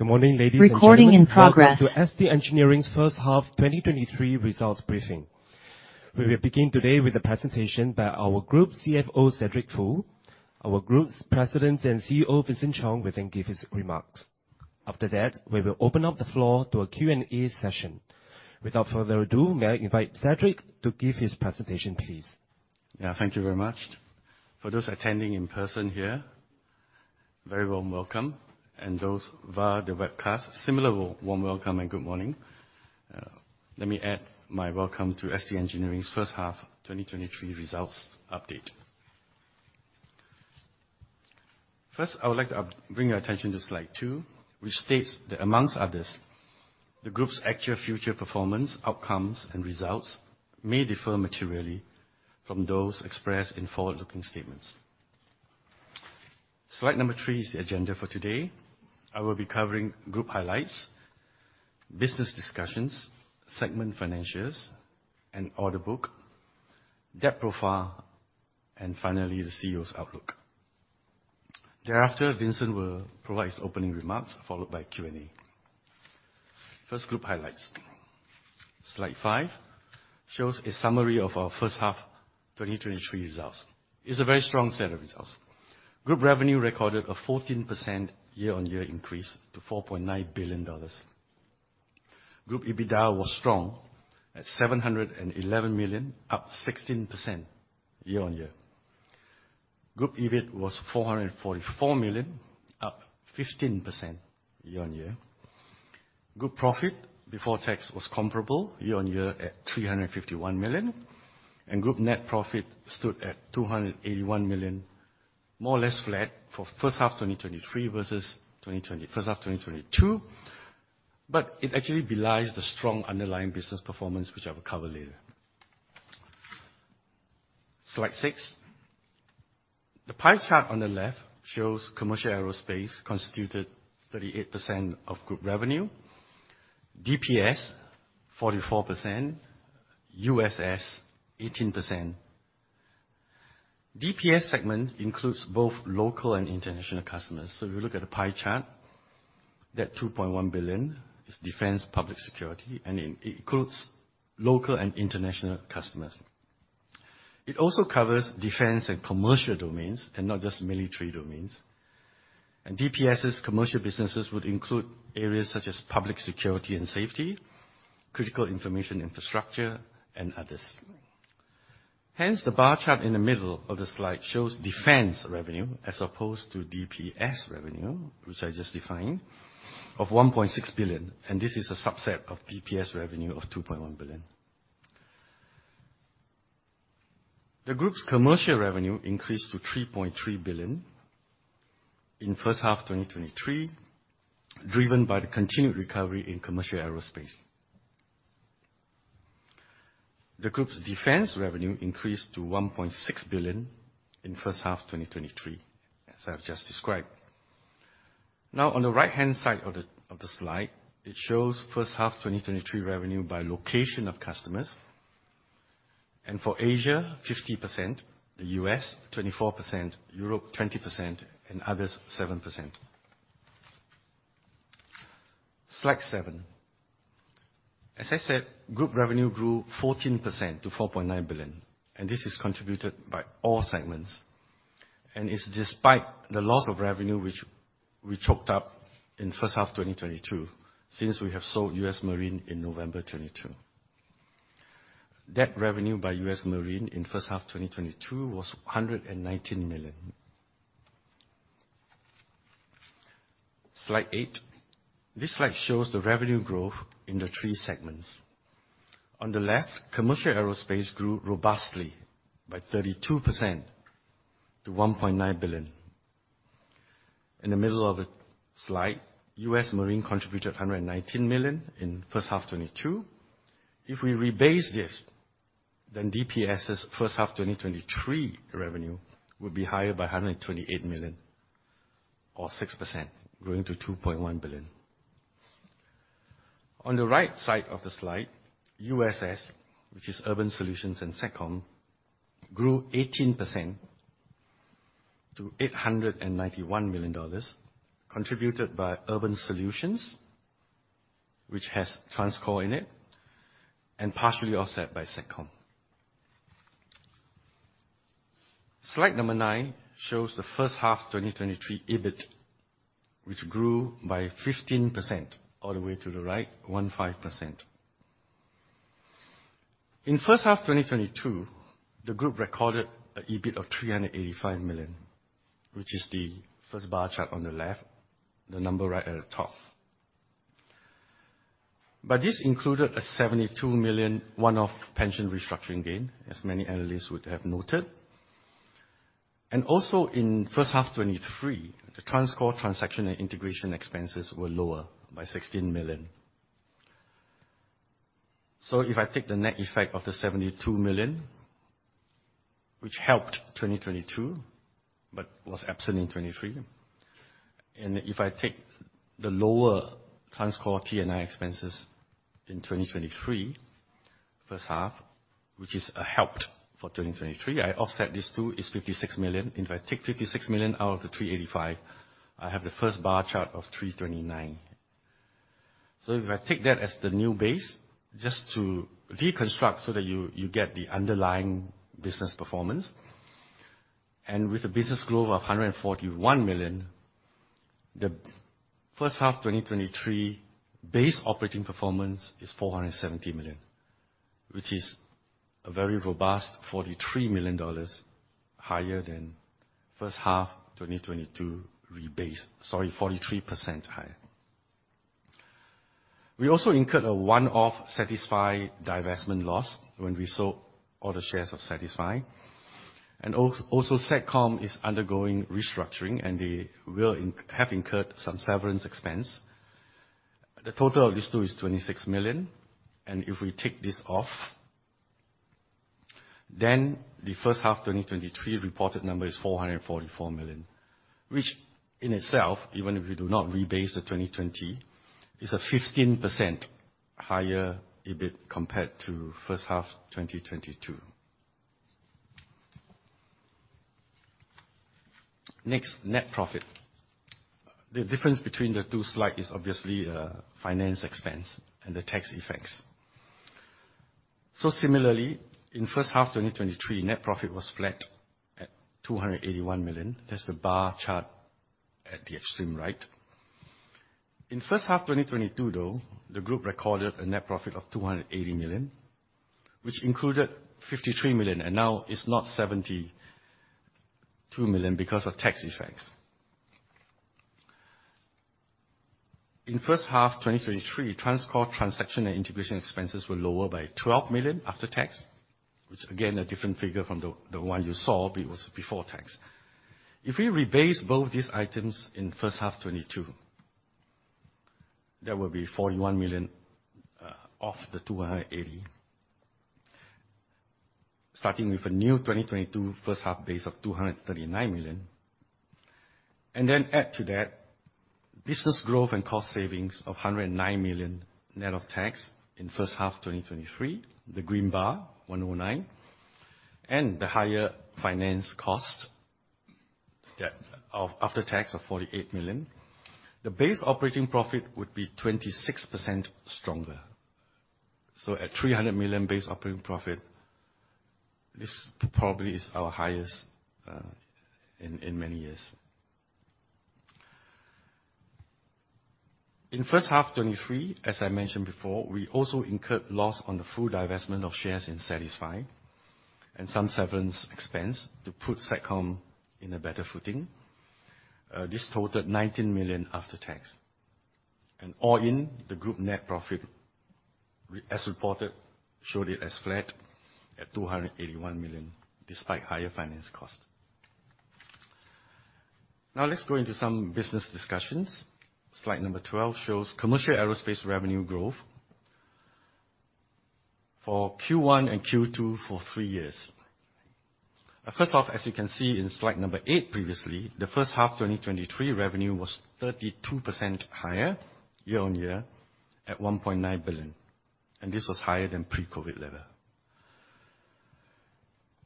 Good morning, ladies and gentlemen. Recording in progress. Welcome to ST Engineering's first half 2023 results briefing. We will begin today with a presentation by our Group CFO, Cedric Foo. Our Group's President and CEO, Vincent Chong, will then give his remarks. After that, we will open up the floor to a Q&A session. Without further ado, may I invite Cedric to give his presentation, please. Yeah, thank you very much. For those attending in person here, very warm welcome, and those via the webcast, similar warm welcome and good morning. Let me add my welcome to ST Engineering's first half 2023 results update. First, I would like to bring your attention to Slide 2, which states that, amongst others, the group's actual future performance, outcomes, and results may differ materially from those expressed in forward-looking statements. Slide 3 is the agenda for today. I will be covering group highlights, business discussions, segment financials, and order book, debt profile, and finally, the CEO's outlook. Thereafter, Vincent will provide his opening remarks, followed by Q&A. First, group highlights. Slide 5 shows a summary of our first half 2023 results. It's a very strong set of results. Group revenue recorded a 14% year-on-year increase to $4.9 billion. Group EBITDA was strong at 711 million, up 16% year-on-year. Group EBIT was 444 million, up 15% year-on-year. Group profit before tax was comparable year-on-year at 351 million, and group net profit stood at 281 million, more or less flat for first half 2023 versus first half 2022. It actually belies the strong underlying business performance, which I will cover later. Slide 6. The pie chart on the left shows Commercial Aerospace constituted 38% of group revenue, DPS 44%, USS 18%. DPS segment includes both local and international customers. If you look at the pie chart, that 2.1 billion is Defence and Public Security, and it includes local and international customers. It also covers defence and commercial domains, and not just military domains. DPS's commercial businesses would include areas such as public security and safety, critical information infrastructure, and others. Hence, the bar chart in the middle of the slide shows defense revenue as opposed to DPS revenue, which I just defined, of 1.6 billion, and this is a subset of DPS revenue of 2.1 billion. The group's commercial revenue increased to 3.3 billion in first half 2023, driven by the continued recovery in Commercial Aerospace. The group's defense revenue increased to 1.6 billion in first half 2023, as I've just described. On the right-hand side of the slide, it shows first half 2023 revenue by location of customers. For Asia, 50%, the U.S. 24%, Europe 20%, and others 7%. Slide 7. As I said, Group revenue grew 14% to $4.9 billion, this is contributed by all segments. It's despite the loss of revenue, which we choked up in first half 2022, since we have sold U.S. Marine in November 2022. That revenue by U.S. Marine in first half 2022 was $119 million. Slide 8. This slide shows the revenue growth in the three segments. On the left, Commercial Aerospace grew robustly by 32% to $1.9 billion. In the middle of the slide, U.S. Marine contributed $119 million in first half 2022. If we rebase this, DPS's first half 2023 revenue would be higher by $128 million, or 6%, growing to $2.1 billion. On the right side of the slide, USS, which is Urban Solutions and Satcom, grew 18% to $891 million, contributed by Urban Solutions, which has TransCore in it, and partially offset by Satcom. Slide number 9 shows the first half 2023 EBIT, which grew by 15%, all the way to the right, 15%. In first half 2022, the group recorded an EBIT of $385 million, which is the first bar chart on the left, the number right at the top. This included a $72 million one-off pension restructuring gain, as many analysts would have noted. Also in first half 2023, the TransCore transaction and integration expenses were lower by $16 million. If I take the net effect of the $72 million, which helped 2022 but was absent in 2023, and if I take the lower TransCore T and I expenses in 2023 first half, which is helped for 2023. I offset these two, it's $56 million. If I take $56 million out of the $385 million, I have the first bar chart of $329 million. If I take that as the new base, just to deconstruct so that you, you get the underlying business performance, and with the business growth of $141 million, the first half 2023 base operating performance is $470 million, which is a very robust $43 million higher than first half 2022 rebase. Sorry, 43% higher. We also incurred a one-off SatixFy divestment loss when we sold all the shares of SatixFy. Also, Satcom is undergoing restructuring, and they will have incurred some severance expense. The total of these two is 26 million, and if we take this off, then the first half 2023 reported number is 444 million, which in itself, even if we do not rebase the 2020, is a 15% higher EBIT compared to first half 2022. Next, net profit. The difference between the two slide is obviously, finance expense and the tax effects. Similarly, in first half 2023, net profit was flat at 281 million. That's the bar chart at the extreme right. In first half 2022, though, the group recorded a net profit of 280 million, which included 53 million, and now it's not 72 million because of tax effects. In first half 2023, TransCore transaction and integration expenses were lower by 12 million after tax, which again, a different figure from the one you saw, but it was before tax. If we rebase both these items in first half 2022, that would be 41 million off the 280. Starting with a new 2022 first half base of 239 million, add to that business growth and cost savings of 109 million net of tax in first half 2023, the green bar, 109, and the higher finance cost after tax of 48 million, the base operating profit would be 26% stronger. At 300 million base operating profit, this probably is our highest in many years. In first half 2023, as I mentioned before, we also incurred loss on the full divestment of shares in SatixFy and some severance expense to put Satcom in a better footing. This totaled $19 million after tax. All in, the group net profit, as reported, showed it as flat at $281 million, despite higher finance cost. Let's go into some business discussions. Slide number 12 shows Commercial Aerospace revenue growth for Q1 and Q2 for three years. First off, as you can see in slide number 8 previously, the first half 2023 revenue was 32% higher year-on-year at $1.9 billion, and this was higher than pre-COVID level.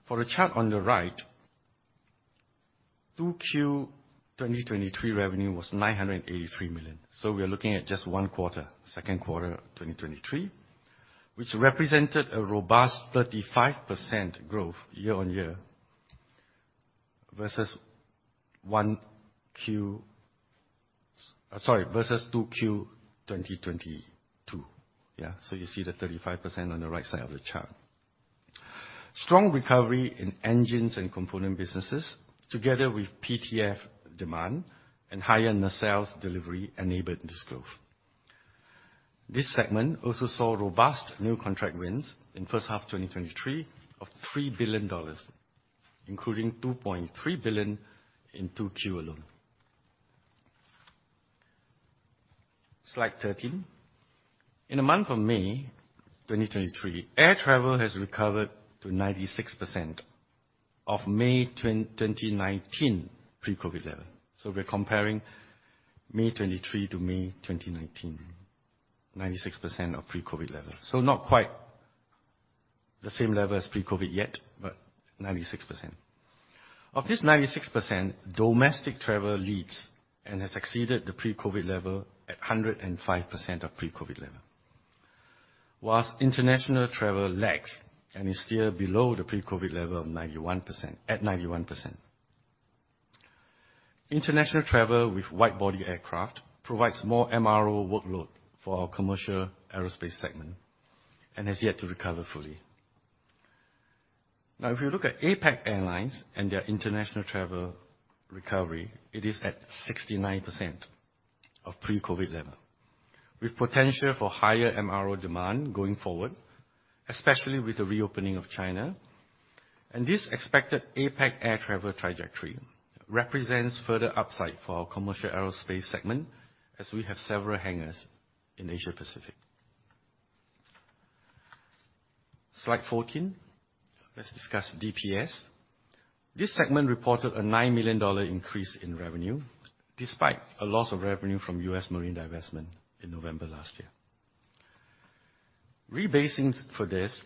For the chart on the right, 2Q 2023 revenue was $983 million. We are looking at just 1 quarter, 2Q of 2023, which represented a robust 35% growth year-on-year, versus 1Q- sorry, versus 2Q 2022. You see the 35% on the right side of the chart. Strong recovery in engines and component businesses, together with PTF demand and higher nacelles delivery enabled this growth. This segment also saw robust new contract wins in 1H 2023 of $3 billion, including $2.3 billion in 2Q alone. Slide 13. In the month of May 2023, air travel has recovered to 96% of May 2019 pre-COVID level. We're comparing May 2023 to May 2019, 96% of pre-COVID level. Not quite the same level as pre-COVID yet, but 96%. Of this 96%, domestic travel leads and has exceeded the pre-COVID level at 105% of pre-COVID level. Whilst international travel lags and is still below the pre-COVID level of 91%, at 91%. International travel with wide-body aircraft provides more MRO workload for our Commercial Aerospace segment and has yet to recover fully. If you look at APAC Airlines and their international travel recovery, it is at 69% of pre-COVID level, with potential for higher MRO demand going forward, especially with the reopening of China. This expected APAC air travel trajectory represents further upside for our Commercial Aerospace segment, as we have several hangars in Asia Pacific. Slide 14, let's discuss DPS. This segment reported a $9 million increase in revenue, despite a loss of revenue from U.S. Marine divestment in November last year. Rebasing for this,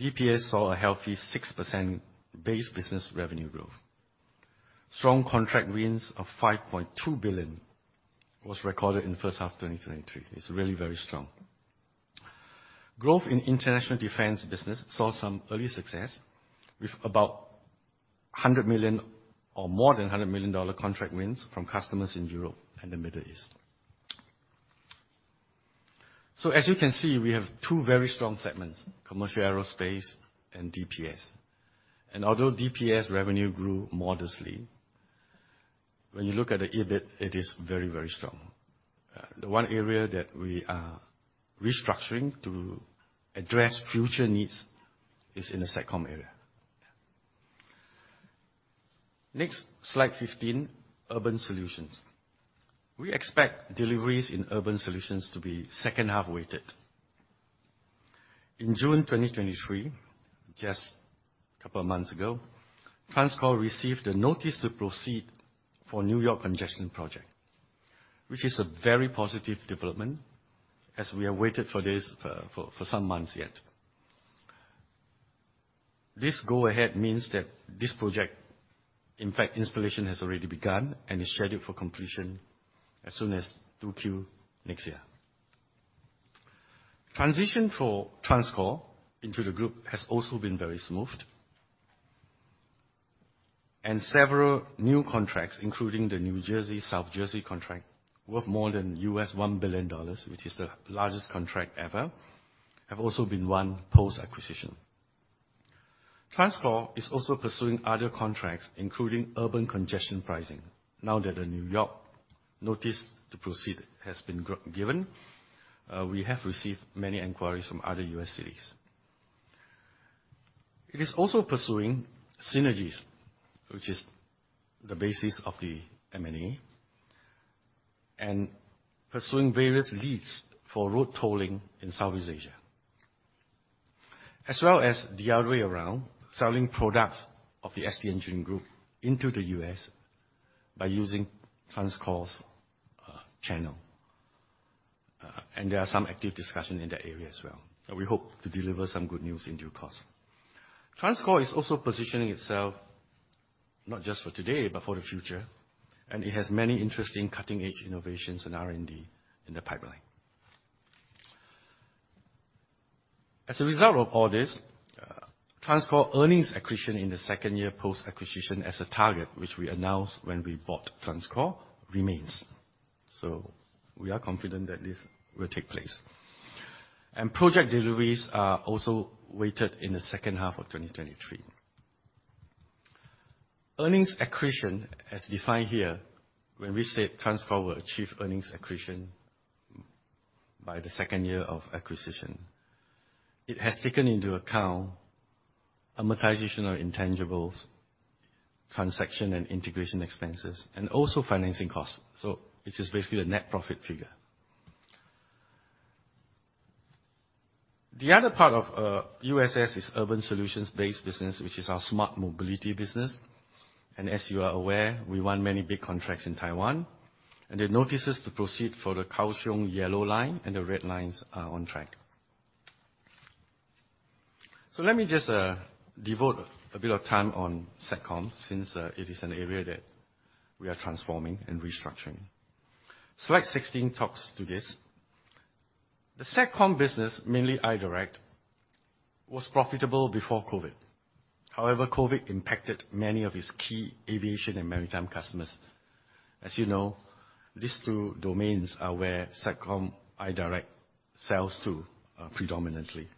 DPS saw a healthy 6% base business revenue growth. Strong contract wins of $5.2 billion was recorded in the first half of 2023. It's really very strong. Growth in international defense business saw some early success, with about $100 million or more than $100 million contract wins from customers in Europe and the Middle East. As you can see, we have two very strong segments, Commercial Aerospace and DPS. Although DPS revenue grew modestly, when you look at the EBIT, it is very, very strong. The one area that we are restructuring to address future needs is in the Satcom area. Next, slide 15, Urban Solutions. We expect deliveries in Urban Solutions to be second half weighted. In June 2023, just a couple of months ago, TransCore received a notice to proceed for New York congestion project, which is a very positive development, as we have waited for this for some months yet. This go-ahead means that this project, in fact, installation has already begun and is scheduled for completion as soon as 2Q next year. Transition for TransCore into the group has also been very smooth. Several new contracts, including the New Jersey, South Jersey contract, worth more than U.S. $1 billion, which is the largest contract ever, have also been won post-acquisition. TransCore is also pursuing other contracts, including urban congestion pricing. Now that the New York notice to proceed has been given, we have received many inquiries from other U.S. cities. It is also pursuing synergies, which is the basis of the M&A, and pursuing various leads for road tolling in Southeast Asia, as well as the other way around, selling products of the ST Engineering group into the U.S. by using TransCore's channel. There are some active discussions in that area as well, and we hope to deliver some good news in due course. TransCore is also positioning itself not just for today, but for the future, and it has many interesting cutting-edge innovations and R&D in the pipeline. As a result of all this, TransCore earnings accretion in the second year post-acquisition as a target, which we announced when we bought TransCore, remains. We are confident that this will take place. Project deliveries are also weighted in the second half of 2023. Earnings accretion, as defined here, when we say TransCore will achieve earnings accretion by the 2nd year of acquisition, it has taken into account amortization of intangibles, transaction and integration expenses, and also financing costs. It is basically a net profit figure. The other part of USS. is Urban Solutions-based business, which is our smart mobility business. As you are aware, we won many big contracts in Taiwan, and the notices to proceed for the Kaohsiung Yellow Line and the Red Lines are on track. Let me just devote a bit of time on Satcom, since it is an area that we are transforming and restructuring. Slide 16 talks to this. The Satcom business, mainly iDirect, was profitable before COVID. However, COVID impacted many of its key aviation and maritime customers. As you know, these two domains are where Satcom iDirect sells to predominantly.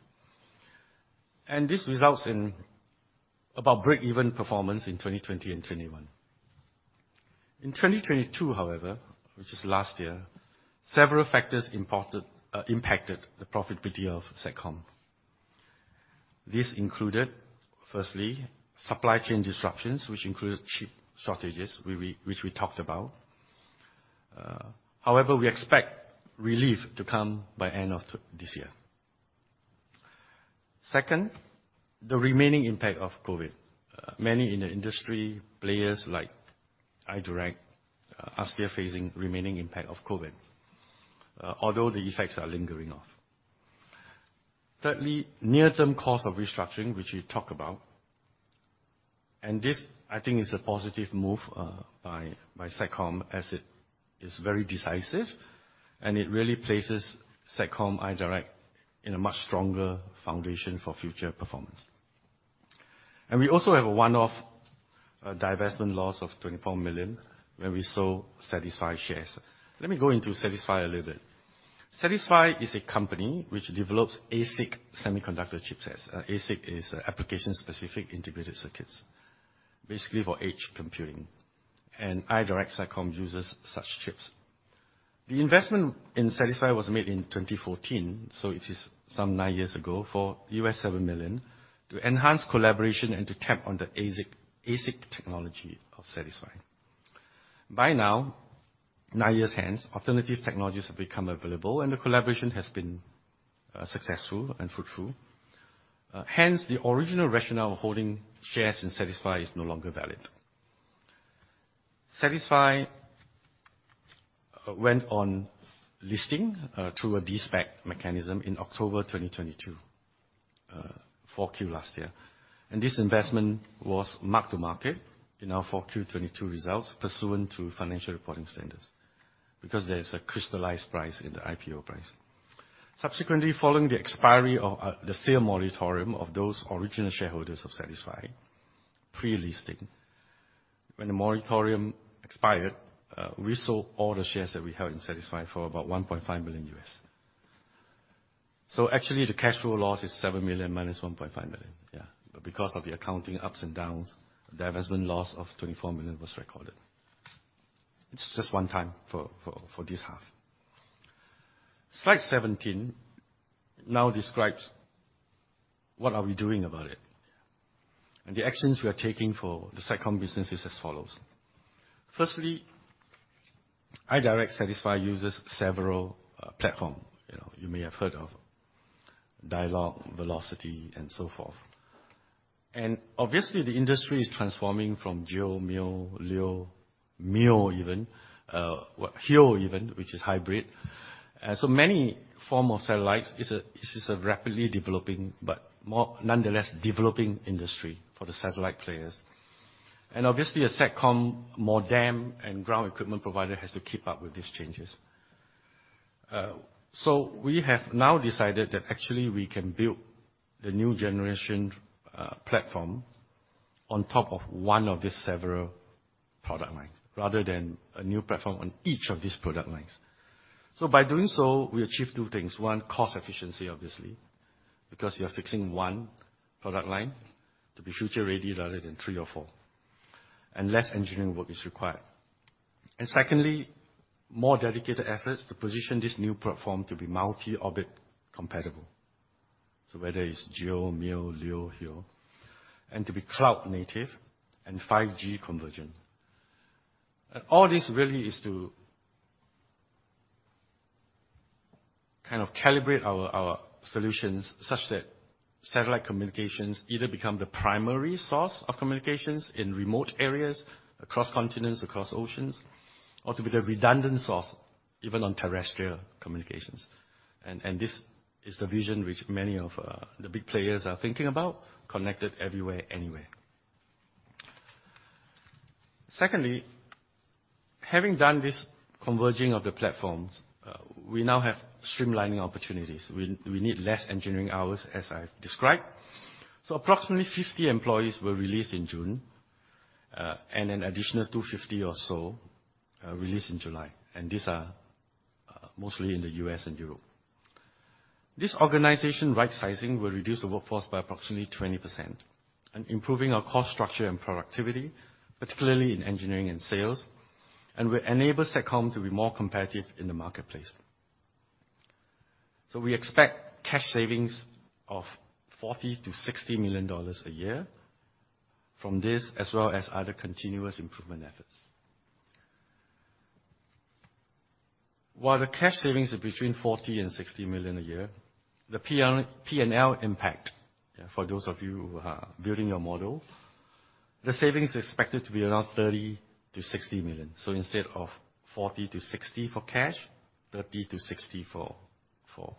This results in about break-even performance in 2020 and 2021. In 2022, however, which is last year, several factors impacted the profitability of Satcom. This included, firstly, supply chain disruptions, which included chip shortages, which we talked about. However, we expect relief to come by end of this year. Second, the remaining impact of COVID. Many in the industry, players like iDirect, are still facing remaining impact of COVID, although the effects are lingering off. Thirdly, near-term cost of restructuring, which we talk about, and this, I think, is a positive move by Satcom, as it is very decisive, and it really places Satcom iDirect in a much stronger foundation for future performance. We also have a one-off divestment loss of 24 million, where we sold SatixFy shares. Let me go into SatixFy a little bit. SatixFy is a company which develops ASIC semiconductor chipsets. ASIC is application-specific integrated circuit, basically for edge computing, and iDirect Satcom uses such chips. The investment in SatixFy was made in 2014, so it is some nine years ago, for $7 million, to enhance collaboration and to tap on the ASIC technology of SatixFy. By now, nine years hence, alternative technologies have become available, and the collaboration has been successful and fruitful. Hence, the original rationale of holding shares in SatixFy is no longer valid. SatixFy went on listing through a de-SPAC mechanism in October 2022, 4Q last year. This investment was mark-to-market in our 4Q '22 results, pursuant to financial reporting standards, because there is a crystallized price in the IPO price. Subsequently, following the expiry of the sale moratorium of those original shareholders of SatixFy pre-listing, when the moratorium expired, we sold all the shares that we had in SatixFy for about $1.5 million. Actually, the cash flow loss is $7 million - $1.5 million. Because of the accounting ups and downs, the investment loss of $24 million was recorded. It's just one time for, for, for this half. Slide 17 now describes what are we doing about it, and the actions we are taking for the Satcom business is as follows: firstly, iDirect SatixFy uses several platform. You know, you may have heard of DIALOG, Velocity, and so forth. Obviously, the industry is transforming from GEO, MEO, LEO, MEO even, well, HEO even, which is hybrid. So many form of satellites, this is a rapidly developing, but more nonetheless developing industry for the satellite players. Obviously, a Satcom modem and ground equipment provider has to keep up with these changes. So we have now decided that actually we can build the new generation platform on top of one of these several product lines, rather than a new platform on each of these product lines. By doing so, we achieve two things. One, cost efficiency, obviously, because you are fixing one product line to be future-ready rather than three or four, and less engineering work is required. Secondly, more dedicated efforts to position this new platform to be multi-orbit compatible. Whether it's GEO, MEO, LEO, HEO, to be cloud native and 5G convergent. All this really is to kind of calibrate our, our solutions such that satellite communications either become the primary source of communications in remote areas, across continents, across oceans, or to be the redundant source, even on terrestrial communications. This is the vision which many of the big players are thinking about, connected everywhere, anywhere. Secondly, having done this converging of the platforms, we now have streamlining opportunities. We, we need less engineering hours, as I've described. Approximately 50 employees were released in June, and an additional 250 or so released in July, and these are mostly in the U.S. and Europe. This organization rightsizing will reduce the workforce by approximately 20% and improving our cost structure and productivity, particularly in engineering and sales, and will enable Satcom to be more competitive in the marketplace. We expect cash savings of $40 million-$60 million a year from this, as well as other continuous improvement efforts. While the cash savings are between $40 million and $60 million a year, the P&L impact, yeah, for those of you who are building your model, the savings is expected to be around $30 million-$60 million. Instead of $40 million-$60 million for cash, $30 million-$60 million for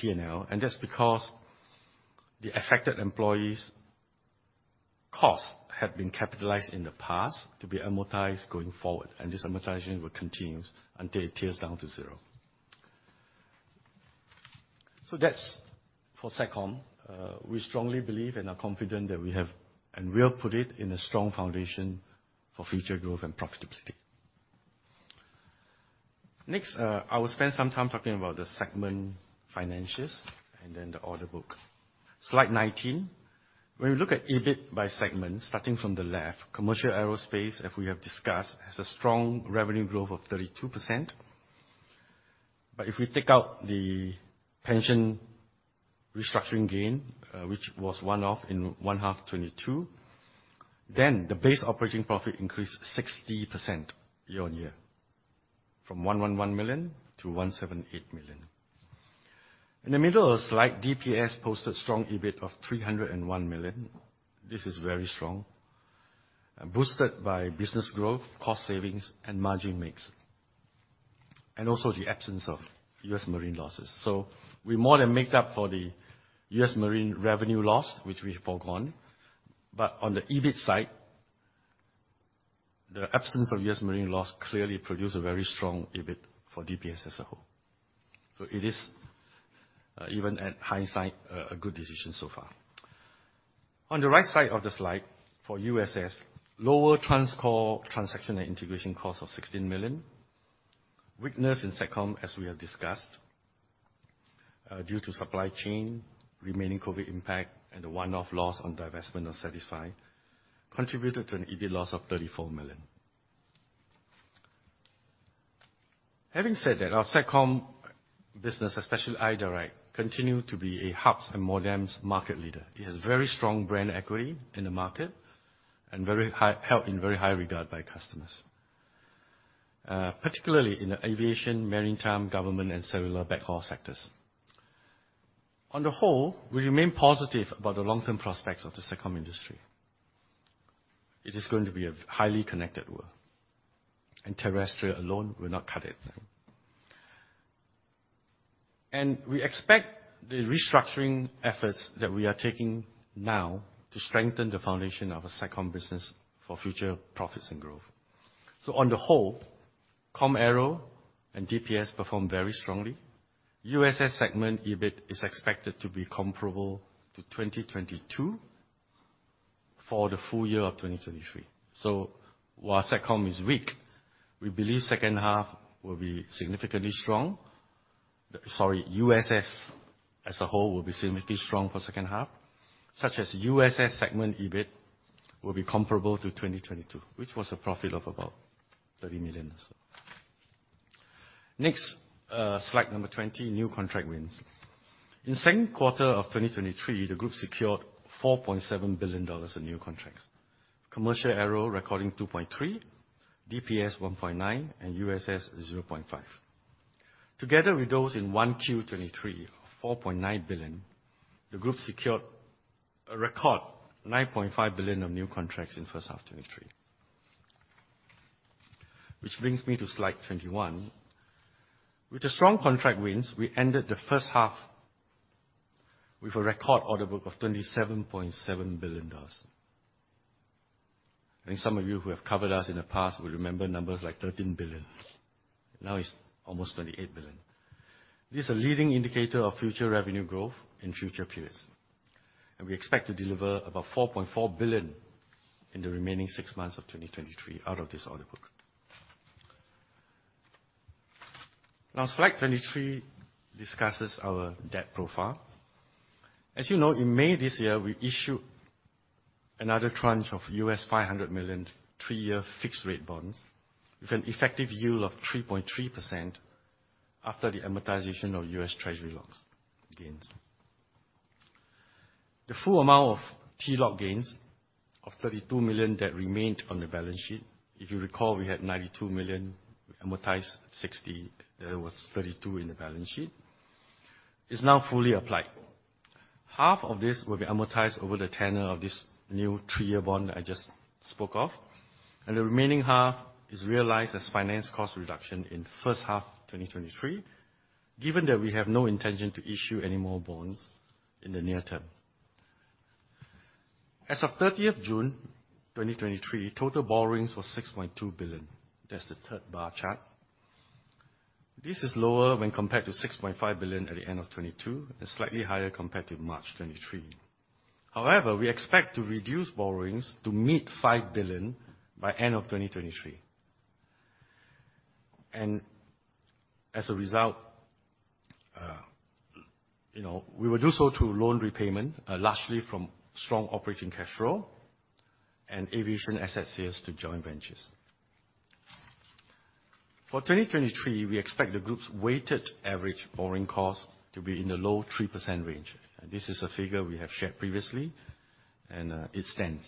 P&L. That's because the affected employees' costs have been capitalized in the past to be amortized going forward, and this amortization will continue until it tears down to zero. That's for Satcom. We strongly believe and are confident that we have, and will put it in a strong foundation for future growth and profitability. Next, I will spend some time talking about the segment financials and then the order book. Slide 19. When we look at EBIT by segment, starting from the left, Commercial Aerospace, as we have discussed, has a strong revenue growth of 32%. If we take out the pension restructuring gain, which was one-off in one half 2022, then the base operating profit increased 60% year-on-year, from 111 million-178 million. In the middle of the slide, DPS posted strong EBIT of 301 million. This is very strong, boosted by business growth, cost savings, and margin mix, and also the absence of U.S. Marine losses. We more than make up for the U.S. Marine revenue loss, which we have foregone. On the EBIT side, the absence of U.S. Marine loss clearly produced a very strong EBIT for DPS as a whole. It is, even at hindsight, a good decision so far. On the right side of the slide, for USS, lower TransCore transaction and integration cost of $16 million. Weakness in Satcom, as we have discussed, due to supply chain, remaining COVID impact, and the one-off loss on divestment of SatixFy, contributed to an EBIT loss of $34 million. Having said that, our Satcom business, especially iDirect, continue to be a hubs and modems market leader. It has very strong brand equity in the market and held in very high regard by customers, particularly in the aviation, maritime, government, and cellular backhaul sectors. On the whole, we remain positive about the long-term prospects of the Satcom industry. It is going to be a highly connected world, terrestrial alone will not cut it. We expect the restructuring efforts that we are taking now to strengthen the foundation of our Satcom business for future profits and growth. On the whole, Commercial Aerospace and DPS performed very strongly. USS segment EBIT is expected to be comparable to 2022 for the full year of 2023. While Satcom is weak, we believe second half will be significantly strong. Sorry, USS as a whole will be significantly strong for second half, such as USS segment EBIT will be comparable to 2022, which was a profit of about 30 million or so. Next, slide number 20, new contract wins. In 2Q 2023, the group secured $4.7 billion in new contracts. Commercial Aero recording $2.3 billion, DPS $1.9 billion, and USS $0.5 billion. Together with those in 1Q 2023, of $4.9 billion, the group secured a record $9.5 billion of new contracts in first half 2023. Which brings me to slide 21. With the strong contract wins, we ended the first half with a record order book of $27.7 billion. I think some of you who have covered us in the past will remember numbers like $13 billion. Now it's almost $28 billion. This is a leading indicator of future revenue growth in future periods, and we expect to deliver about $4.4 billion in the remaining 6 months of 2023 out of this order book. Slide 23 discusses our debt profile. As you know, in May this year, we issued another tranche of $500 million, 3-year fixed rate bonds with an effective yield of 3.3% after the amortization of U.S. Treasury lock gains. The full amount of T-lock gains of $32 million that remained on the balance sheet, if you recall, we had $92 million, we amortized 60, there was 32 in the balance sheet, is now fully applied. Half of this will be amortized over the tenure of this new 3-year bond I just spoke of, the remaining half is realized as finance cost reduction in first half 2023, given that we have no intention to issue any more bonds in the near term. As of 30th June, 2023, total borrowings was $6.2 billion. That's the third bar chart. This is lower when compared to $6.5 billion at the end of 2022, and slightly higher compared to March 2023. However, we expect to reduce borrowings to meet $5 billion by end of 2023. As a result, you know, we will do so through loan repayment, largely from strong operating cash flow and aviation asset sales to joint ventures. For 2023, we expect the group's weighted average borrowing cost to be in the low 3% range, and this is a figure we have shared previously, and it stands.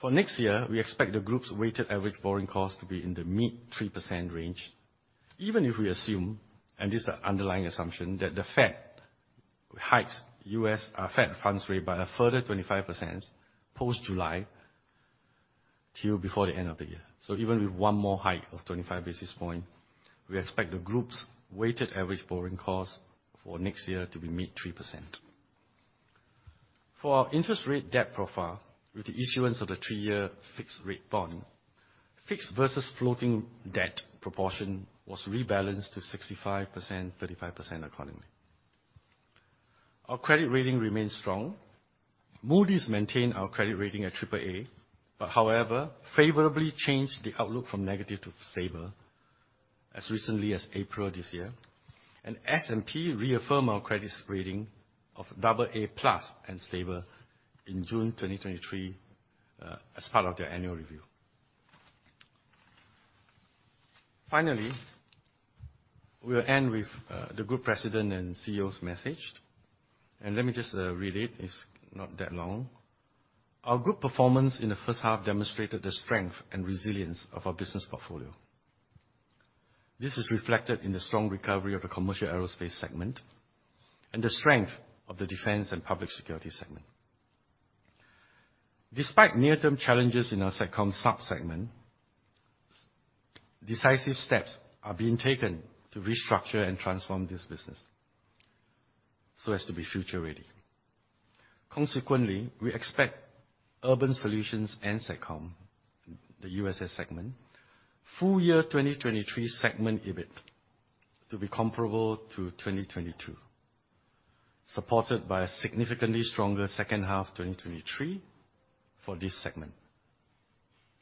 For next year, we expect the group's weighted average borrowing cost to be in the mid 3% range. Even if we assume, and this is the underlying assumption, that the Fed hikes U.S. Fed funds rate by a further 25% post-July till before the end of the year. Even with one more hike of 25 basis point, we expect the group's weighted average borrowing cost for next year to be mid 3%. For our interest rate debt profile, with the issuance of the three-year fixed rate bond, fixed versus floating debt proportion was rebalanced to 65%, 35% accordingly. Our credit rating remains strong. Moody's maintained our credit rating at triple A, however, favorably changed the outlook from negative to stable as recently as April this year. S&P reaffirmed our credit rating of double A plus and stable in June 2023 as part of their annual review. Finally, we'll end with the Group President and CEO's message, and let me just read it. It's not that long. "Our group performance in the first half demonstrated the strength and resilience of our business portfolio. This is reflected in the strong recovery of the Commercial Aerospace segment and the strength of the Defence and Public Security segment. Despite near-term challenges in our Satcom sub-segment, decisive steps are being taken to restructure and transform this business so as to be future-ready. Consequently, we expect Urban Solutions and Satcom, the USS segment, full year 2023 segment EBIT to be comparable to 2022, supported by a significantly stronger second half 2023 for this segment,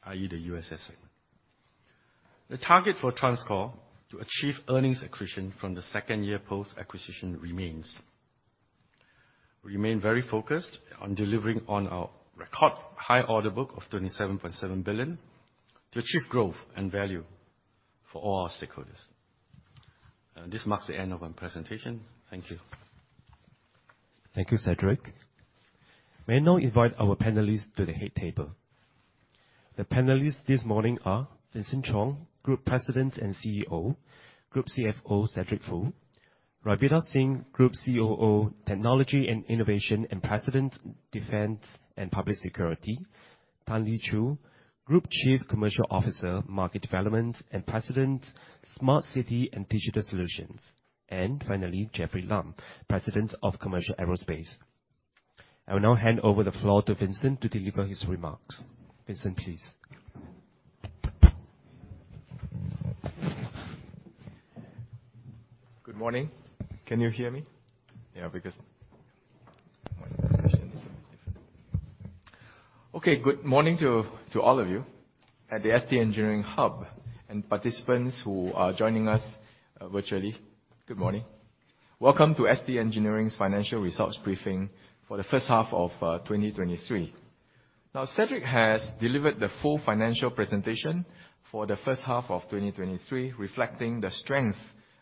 i.e., the USS segment. The target for TransCore to achieve earnings accretion from the second year post-acquisition remains-... We remain very focused on delivering on our record high order book of 27.7 billion to achieve growth and value for all our stakeholders. This marks the end of my presentation. Thank you. Thank you, Cedric. May I now invite our panelists to the head table? The panelists this morning are Vincent Chong, Group President and CEO, Group CFO, Cedric Foo, Ravinder Singh, Group COO, Technology and Innovation, and President, Defence and Public Security, Tan Lee Chew, Group Chief Commercial Officer, Market Development, and President, Smart City & Digital Solutions, and finally, Jeffrey Lam, President of Commercial Aerospace. I will now hand over the floor to Vincent to deliver his remarks. Vincent, please. Good morning. Can you hear me? Yeah, because my position is different. Okay, good morning to all of you at the ST Engineering Hub, and participants who are joining us virtually. Good morning. Welcome to ST Engineering's financial results briefing for the first half of 2023. Cedric has delivered the full financial presentation for the first half of 2023, reflecting the strength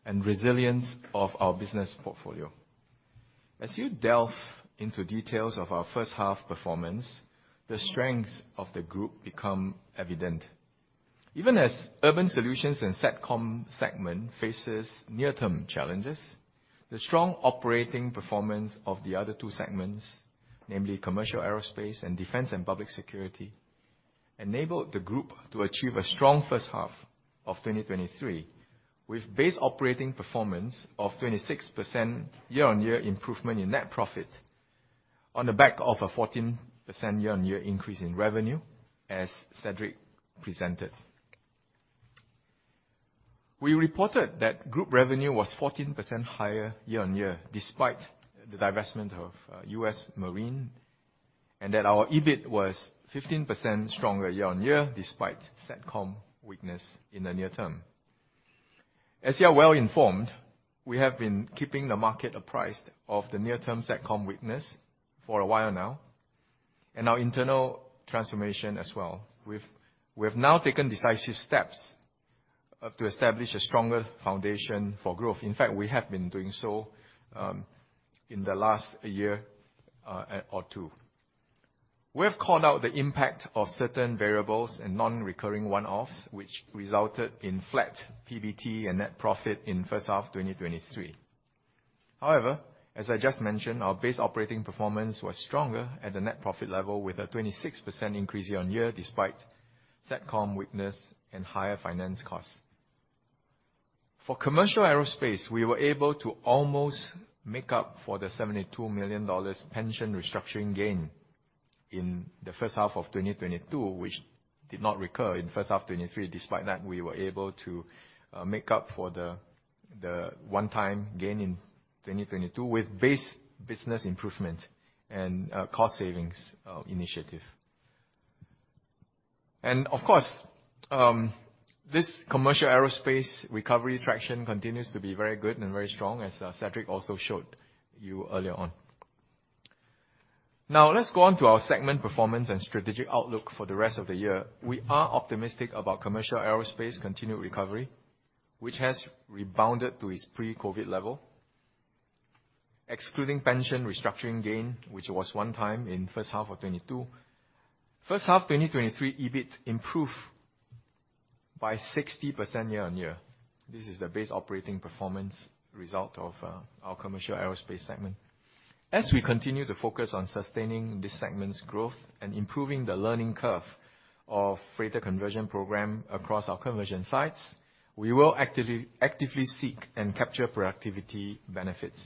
and resilience of our business portfolio. As you delve into details of our first half performance, the strengths of the group become evident. Even as Urban Solutions and Satcom segment faces near-term challenges, the strong operating performance of the other two segments, namely Commercial Aerospace and Defence and Public Security, enabled the group to achieve a strong first half of 2023, with base operating performance of 26% year-on-year improvement in net profit on the back of a 14% year-on-year increase in revenue, as Cedric presented. We reported that group revenue was 14% higher year-on-year, despite the divestment of U.S. Marine, and that our EBIT was 15% stronger year-on-year, despite Satcom weakness in the near term. As you are well informed, we have been keeping the market apprised of the near-term Satcom weakness for a while now, and our internal transformation as well. We have now taken decisive steps to establish a stronger foundation for growth. In fact, we have been doing so, in the last year or two. We have called out the impact of certain variables and non-recurring one-offs, which resulted in flat PBT and net profit in first half 2023. However, as I just mentioned, our base operating performance was stronger at the net profit level, with a 26% increase year-on-year, despite Satcom weakness and higher finance costs. For Commercial Aerospace, we were able to almost make up for the $72 million pension restructuring gain in the first half of 2022, which did not recur in first half 2023. Despite that, we were able to make up for the one-time gain in 2022 with base business improvement and cost savings initiative. Of course, this Commercial Aerospace recovery traction continues to be very good and very strong, as Cedric also showed you earlier on. Let's go on to our segment performance and strategic outlook for the rest of the year. We are optimistic about Commercial Aerospace continued recovery, which has rebounded to its pre-COVID level. Excluding pension restructuring gain, which was one-time in first half of 2022. First half 2023, EBIT improved by 60% year-on-year. This is the base operating performance result of our Commercial Aerospace segment. As we continue to focus on sustaining this segment's growth and improving the learning curve of freighter conversion program across our conversion sites, we will actively, actively seek and capture productivity benefits.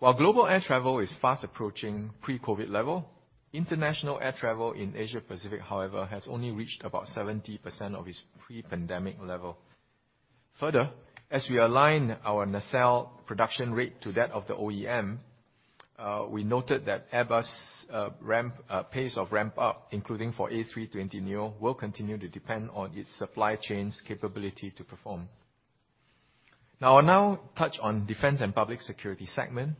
While global air travel is fast approaching pre-COVID level, international air travel in Asia Pacific, however, has only reached about 70% of its pre-pandemic level. As we align our nacelle production rate to that of the OEM, we noted that Airbus ramp pace of ramp-up, including for A320neo, will continue to depend on its supply chain's capability to perform. I'll now touch on Defence and Public Security segment,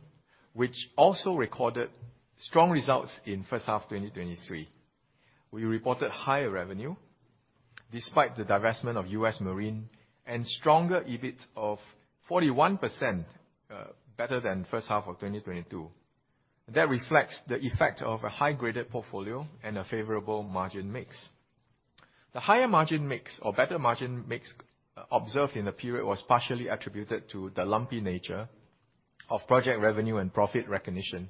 which also recorded strong results in first half 2023. We reported higher revenue, despite the divestment of U.S. Marine, and stronger EBIT of 41% better than first half of 2022. That reflects the effect of a high-graded portfolio and a favorable margin mix. The higher margin mix or better margin mix observed in the period, was partially attributed to the lumpy nature of project revenue and profit recognition,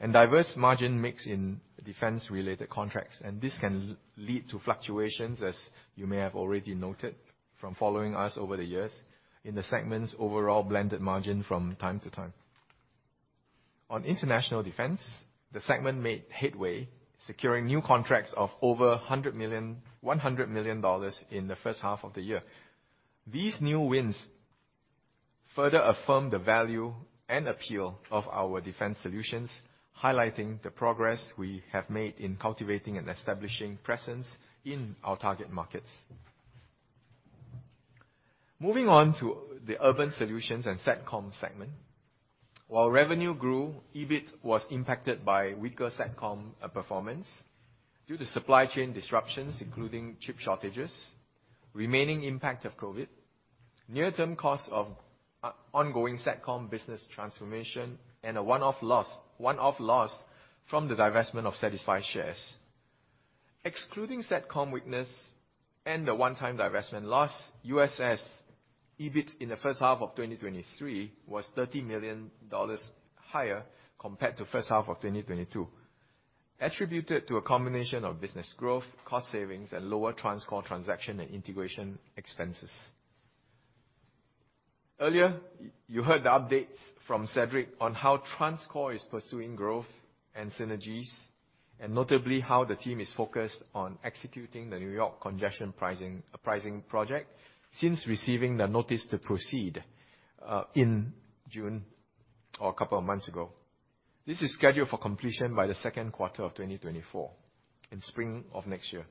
and diverse margin mix in defense-related contracts, and this can lead to fluctuations, as you may have already noted from following us over the years, in the segment's overall blended margin from time to time. On international defense, the segment made headway, securing new contracts of over $100 million in the first half of the year. These new wins further affirm the value and appeal of our defense solutions, highlighting the progress we have made in cultivating and establishing presence in our target markets. Moving on to the Urban Solutions and Satcom segment. While revenue grew, EBIT was impacted by weaker Satcom performance due to supply chain disruptions, including chip shortages, remaining impact of COVID, near-term costs of ongoing Satcom business transformation, and a one-off loss, one-off loss from the divestment of SatixFy shares. Excluding Satcom weakness and the one-time divestment loss, USS EBIT in the first half of 2023 was $30 million higher compared to first half of 2022, attributed to a combination of business growth, cost savings, and lower TransCore transaction and integration expenses. Earlier, you heard the updates from Cedric on how TransCore is pursuing growth and synergies, and notably how the team is focused on executing the New York congestion pricing, pricing project since receiving the notice to proceed in June or a couple of months ago. This is scheduled for completion by the second quarter of 2024, in spring of next year.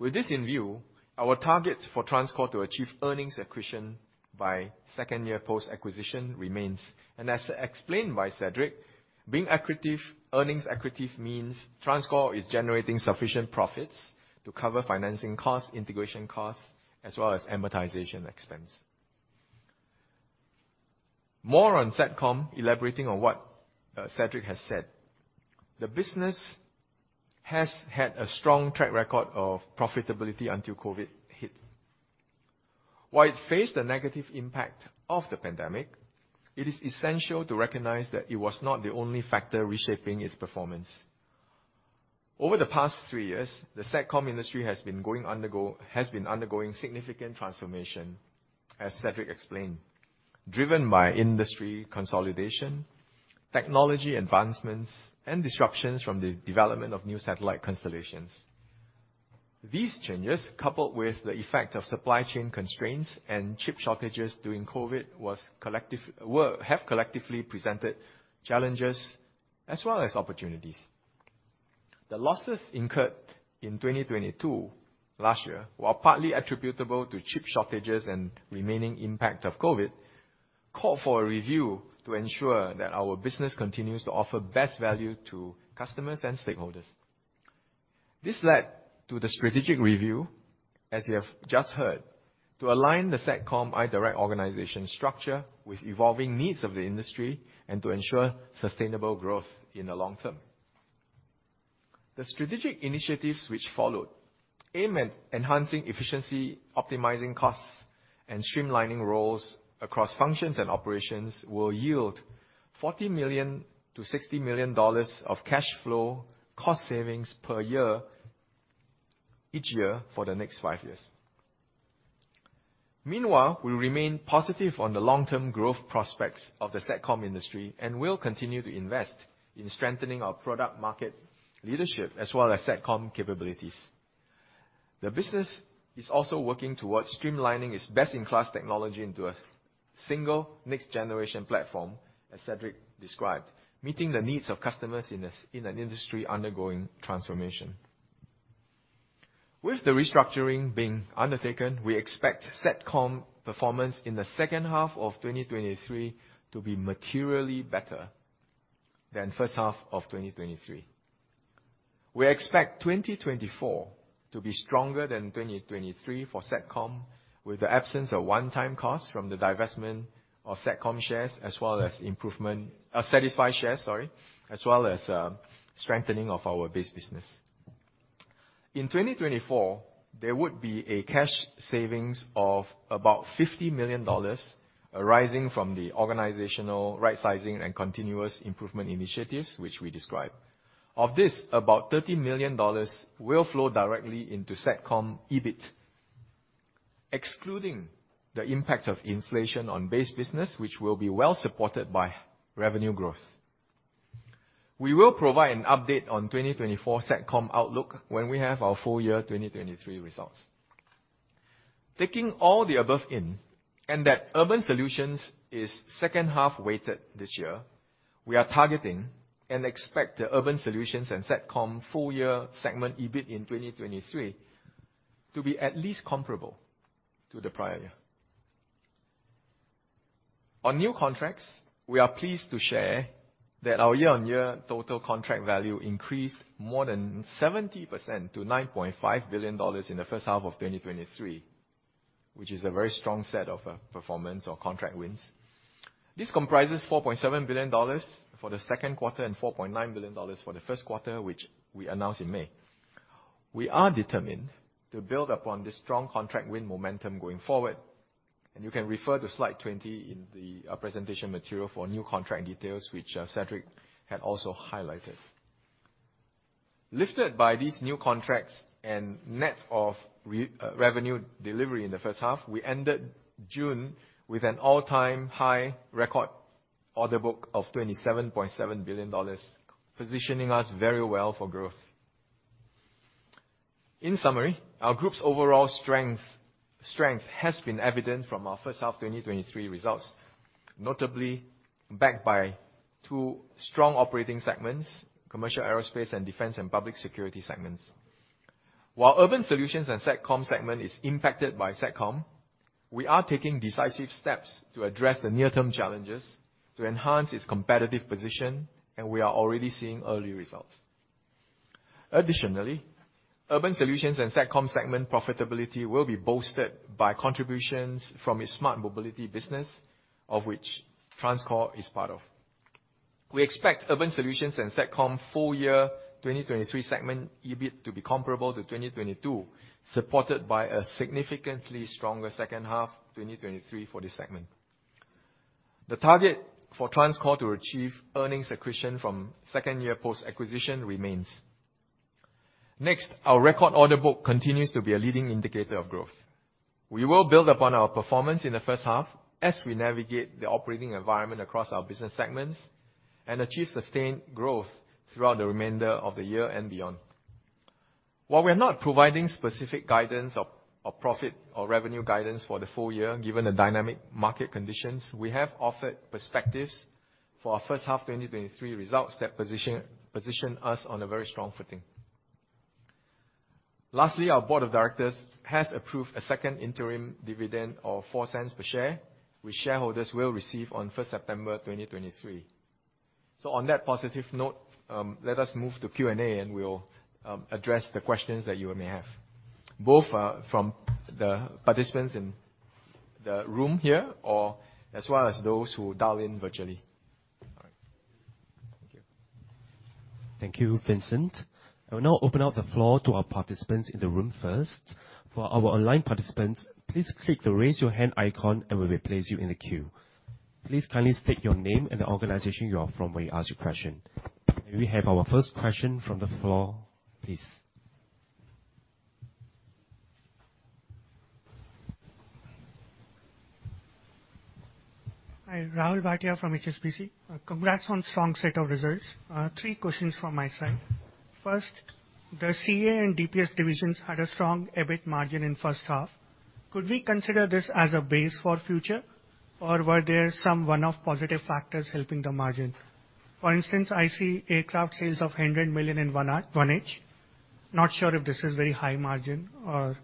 With this in view, our target for TransCore to achieve earnings accretion by second year post-acquisition remains. As explained by Cedric, being accretive, earnings accretive means TransCore is generating sufficient profits to cover financing costs, integration costs, as well as amortization expense. More on Satcom, elaborating on what Cedric has said. The business has had a strong track record of profitability until COVID hit. While it faced the negative impact of the pandemic, it is essential to recognize that it was not the only factor reshaping its performance. Over the past 3 years, the Satcom industry has been undergoing significant transformation, as Cedric explained, driven by industry consolidation, technology advancements, and disruptions from the development of new satellite constellations. These changes, coupled with the effect of supply chain constraints and chip shortages during COVID, have collectively presented challenges as well as opportunities. The losses incurred in 2022, last year, while partly attributable to chip shortages and remaining impact of COVID, called for a review to ensure that our business continues to offer best value to customers and stakeholders. This led to the strategic review, as you have just heard, to align the Satcom iDirect organization structure with evolving needs of the industry and to ensure sustainable growth in the long term. The strategic initiatives which followed aim at enhancing efficiency, optimizing costs, and streamlining roles across functions and operations will yield $40 million-$60 million of cash flow cost savings per year, each year for the next 5 years. Meanwhile, we remain positive on the long-term growth prospects of the Satcom industry and will continue to invest in strengthening our product market leadership as well as Satcom capabilities. The business is also working towards streamlining its best-in-class technology into a single next-generation platform, as Cedric described, meeting the needs of customers in an industry undergoing transformation. With the restructuring being undertaken, we expect Satcom performance in the second half of 2023 to be materially better than first half of 2023. We expect 2024 to be stronger than 2023 for Satcom, with the absence of one-time costs from the divestment of Satcom shares, as well as SatixFy shares, sorry, as well as strengthening of our base business. In 2024, there would be a cash savings of about $50 million arising from the organizational rightsizing and continuous improvement initiatives, which we described. Of this, about $30 million will flow directly into Satcom EBIT, excluding the impact of inflation on base business, which will be well supported by revenue growth. We will provide an update on 2024 Satcom outlook when we have our full year 2023 results. Taking all the above in, that Urban Solutions is second-half weighted this year, we are targeting and expect the Urban Solutions and Satcom full year segment EBIT in 2023 to be at least comparable to the prior year. On new contracts, we are pleased to share that our year-on-year total contract value increased more than 70% to $9.5 billion in the first half of 2023, which is a very strong set of performance or contract wins. This comprises $4.7 billion for the second quarter and $4.9 billion for the first quarter, which we announced in May. We are determined to build upon this strong contract win momentum going forward, and you can refer to slide 20 in the presentation material for new contract details, which Cedric had also highlighted. Lifted by these new contracts and net of revenue delivery in the first half, we ended June with an all-time high record order book of $27.7 billion, positioning us very well for growth. In summary, our group's overall strength, strength has been evident from our first half of 2023 results, notably backed by two strong operating segments, Commercial Aerospace and Defence and Public Security segments. While Urban Solutions and Satcom segment is impacted by Satcom, we are taking decisive steps to address the near-term challenges to enhance its competitive position, we are already seeing early results. Additionally, Urban Solutions and Satcom segment profitability will be boosted by contributions from its smart mobility business, of which TransCore is part of. We expect Urban Solutions and Satcom full year 2023 segment EBIT to be comparable to 2022, supported by a significantly stronger second half 2023 for this segment. The target for TransCore to achieve earnings accretion from second year post-acquisition remains. Next, our record order book continues to be a leading indicator of growth. We will build upon our performance in the first half as we navigate the operating environment across our business segments and achieve sustained growth throughout the remainder of the year and beyond. While we are not providing specific guidance of profit or revenue guidance for the full year, given the dynamic market conditions, we have offered perspectives for our first half 2023 results that position us on a very strong footing. Lastly, our board of directors has approved a second interim dividend of 0.04 per share, which shareholders will receive on 1st September 2023. On that positive note, let us move to Q&A, and we'll address the questions that you may have, both from the participants in the room here or as well as those who dial in virtually. All right. Thank you. Thank you, Vincent. I will now open up the floor to our participants in the room first. For our online participants, please click the Raise Your Hand icon, and we will place you in the queue. Please kindly state your name and the organization you are from when you ask your question. May we have our first question from the floor, please? Hi, Rahul Bhatia from HSBC. Congrats on strong set of results. three questions from my side. First, the CA and DPS divisions had a strong EBIT margin in first half. Could we consider this as a base for future, or were there some one-off positive factors helping the margin? For instance, I see aircraft sales of $100 million in 1H. Not sure if this is very high margin or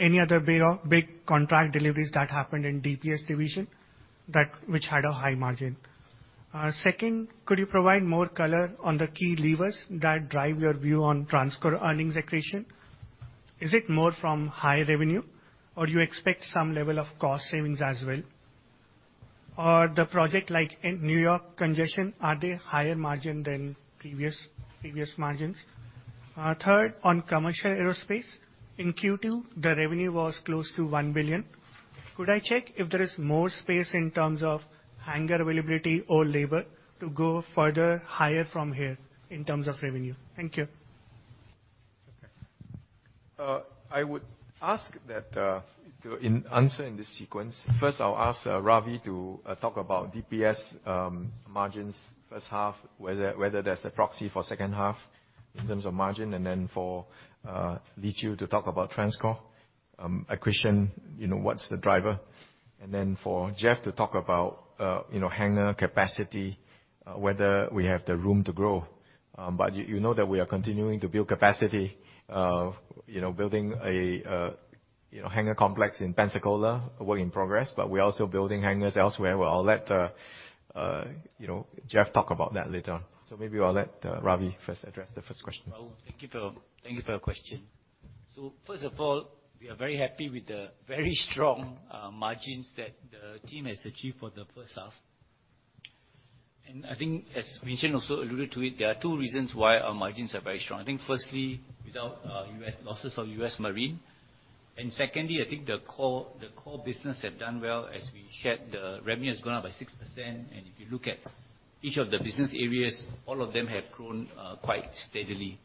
any other big contract deliveries that happened in DPS division, that which had a high margin. Second, could you provide more color on the key levers that drive your view on TransCore earnings accretion? Is it more from high revenue, or do you expect some level of cost savings as well? The project, like in New York Congestion, are they higher margin than previous margins? third, on Commercial Aerospace, in Q2, the revenue was close to $1 billion. Could I check if there is more space in terms of hangar availability or labor to go further higher from here in terms of revenue? Thank you. I would ask that, to in answer in this sequence. First, I'll ask Ravi to talk about DPS margins first half, whether, whether there's a proxy for second half in terms of margin. Then for Lichi to talk about TransCore accretion, you know, what's the driver? Then for Jeff to talk about, you know, hangar capacity, whether we have the room to grow. You, you know that we are continuing to build capacity, you know, building a, you know, hangar complex in Pensacola, a work in progress, but we're also building hangars elsewhere. Well, I'll let, you know, Jeff talk about that later. Maybe I'll let Ravi first address the first question. Thank you for your question. First of all, we are very happy with the very strong margins that the team has achieved for the first half. I think, as Vincent also alluded to it, there are two reasons why our margins are very strong. I think firstly, without losses of U.S. Marine, and secondly, I think the core business have done well. As we shared, the revenue has gone up by 6%, and if you look at each of the business areas, all of them have grown quite steadily.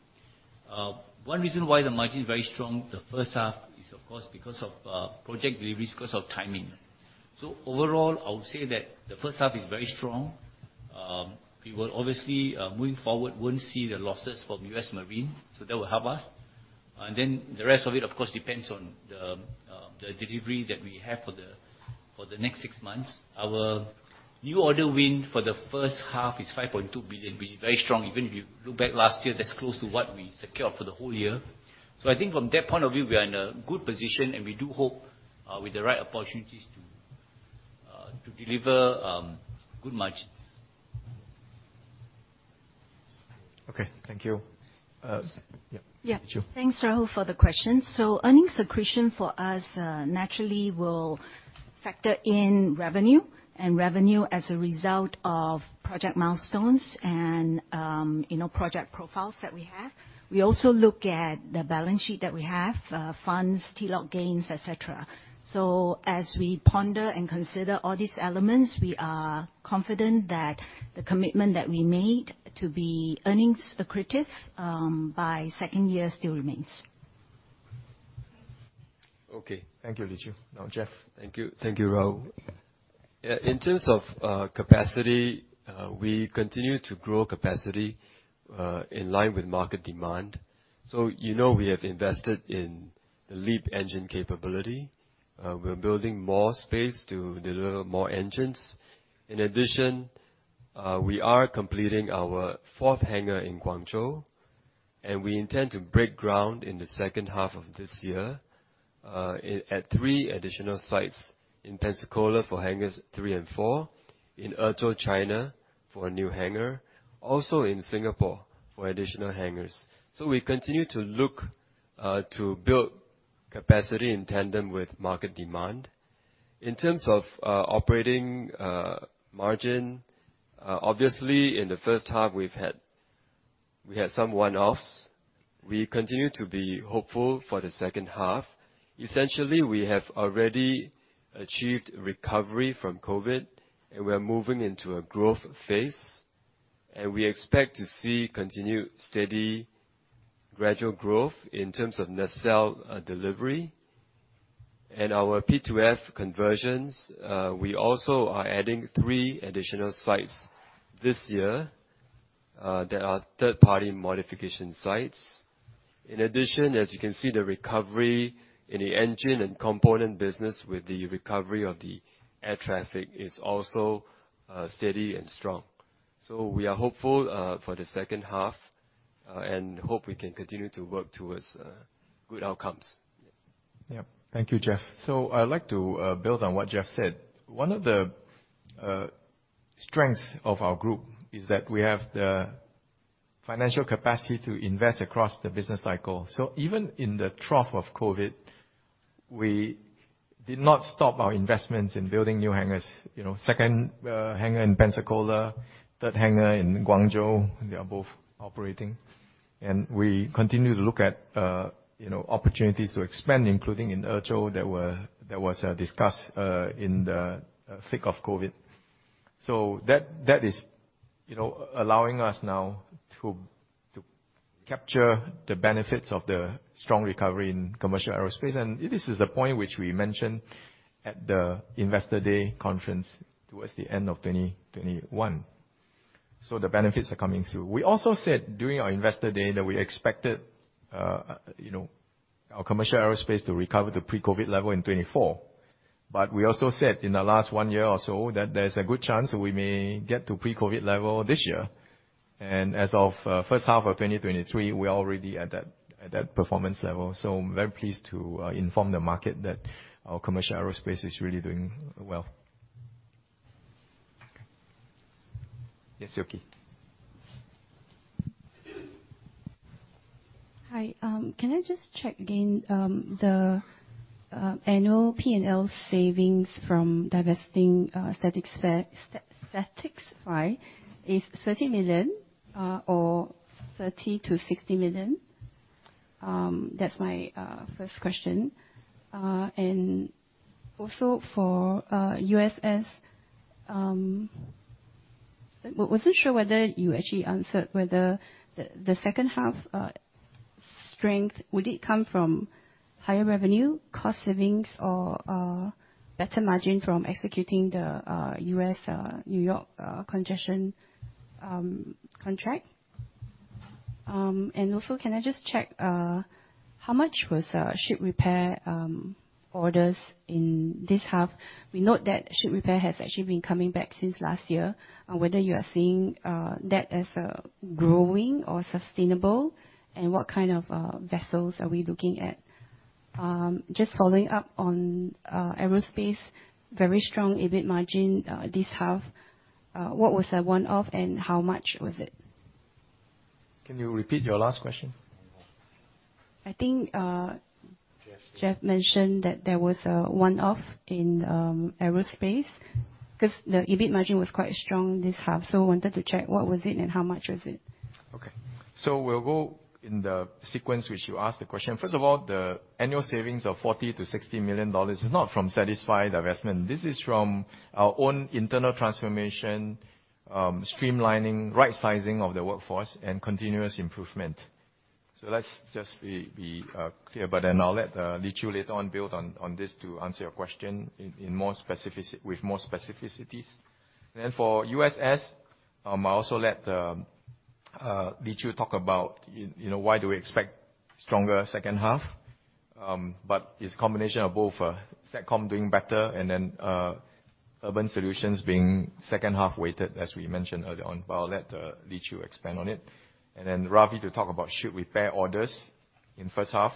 One reason why the margin is very strong, the first half is, of course, because of project deliveries, because of timing. Overall, I would say that the first half is very strong. We will obviously, moving forward, won't see the losses from U.S. Marine, so that will help us. The rest of it, of course, depends on the delivery that we have for the next six months. Our new order win for the first half is 5.2 billion, which is very strong. Even if you look back last year, that's close to what we secured for the whole year. I think from that point of view, we are in a good position, and we do hope, with the right opportunities to deliver good margins. Okay. Thank you. Yeah. Yeah. Lichi. Thanks, Rahul, for the question. Earnings accretion for us, naturally will factor in revenue, and revenue as a result of project milestones and, you know, project profiles that we have. We also look at the balance sheet that we have, funds, T-lock gains, et cetera. As we ponder and consider all these elements, we are confident that the commitment that we made to be earnings accretive, by second year still remains. Okay. Thank you, Lichi. Now, Jeff. Thank you. Thank you, Rahul. In terms of capacity, we continue to grow capacity in line with market demand. So, you know, we have invested in the LEAP engine capability. We're building more space to deliver more engines. In addition, we are completing our fourth hangar in Guangzhou, and we intend to break ground in the second half of this year at 3 additional sites. In Pensacola for hangars 3 and 4, in Ezhou, China, for a new hangar, also in Singapore for additional hangars. We continue to look to build capacity in tandem with market demand. In terms of operating margin, obviously, in the first half, we had some one-offs. We continue to be hopeful for the second half. Essentially, we have already achieved recovery from COVID, and we are moving into a growth phase, and we expect to see continued steady, gradual growth in terms of nacelle delivery. Our P2F conversions, we also are adding 3 additional sites this year that are third-party modification sites. In addition, as you can see, the recovery in the engine and component business with the recovery of the air traffic is also steady and strong. We are hopeful for the second half, and hope we can continue to work towards good outcomes. Yeah. Thank you, Jeff. I'd like to build on what Jeff said. One of the strengths of our group is that we have the financial capacity to invest across the business cycle. Even in the trough of COVID, we did not stop our investments in building new hangars. You know, second hangar in Pensacola, third hangar in Guangzhou, they are both operating. We continue to look at, you know, opportunities to expand, including in Ezhou, that was discussed in the thick of COVID. That, that is, you know, allowing us now to, to capture the benefits of the strong recovery in Commercial Aerospace, and this is the point which we mentioned at the Investor Day conference towards the end of 2021. The benefits are coming through. We also said during our Investor Day that we expected, you know, our Commercial Aerospace to recover to pre-COVID level in 2024. We also said in the last one year or so, that there's a good chance we may get to pre-COVID level this year. As of first half of 2023, we are already at that, at that performance level. I'm very pleased to inform the market that our Commercial Aerospace is really doing well. Yes, Yuki. Hi. Can I just check again, the annual P&L savings from divesting Statics, Stat-Statics, right, is 30 million or 30 million-60 million? That's my first question. Also for USS, I wasn't sure whether you actually answered whether the second half strength would it come from higher revenue, cost savings or better margin from executing the U.S. New York congestion contract? Also, can I just check how much was ship repair orders in this half? We note that ship repair has actually been coming back since last year, and whether you are seeing that as a growing or sustainable, and what kind of vessels are we looking at? Just following up on aerospace, very strong EBIT margin this half. What was the one-off, and how much was it? Can you repeat your last question? I think Jeff. Jeff mentioned that there was a one-off in aerospace, 'cause the EBIT margin was quite strong this half, so wanted to check what was it and how much was it? We'll go in the sequence which you asked the question. First of all, the annual savings of $40 million-$60 million is not from SatixFy the investment. This is from our own internal transformation, streamlining, right-sizing of the workforce, and continuous improvement. Let's just be, be clear, but then I'll let Li Qiu later on build on, on this to answer your question in more specific with more specificities. For USS, I also let Li Qiu talk about, you know, why do we expect stronger second half. But it's a combination of both, Satcom doing better and then Urban Solutions being second half-weighted, as we mentioned earlier on. But I'll let Li Qiu expand on it. Then Ravi to talk about ship repair orders in first half,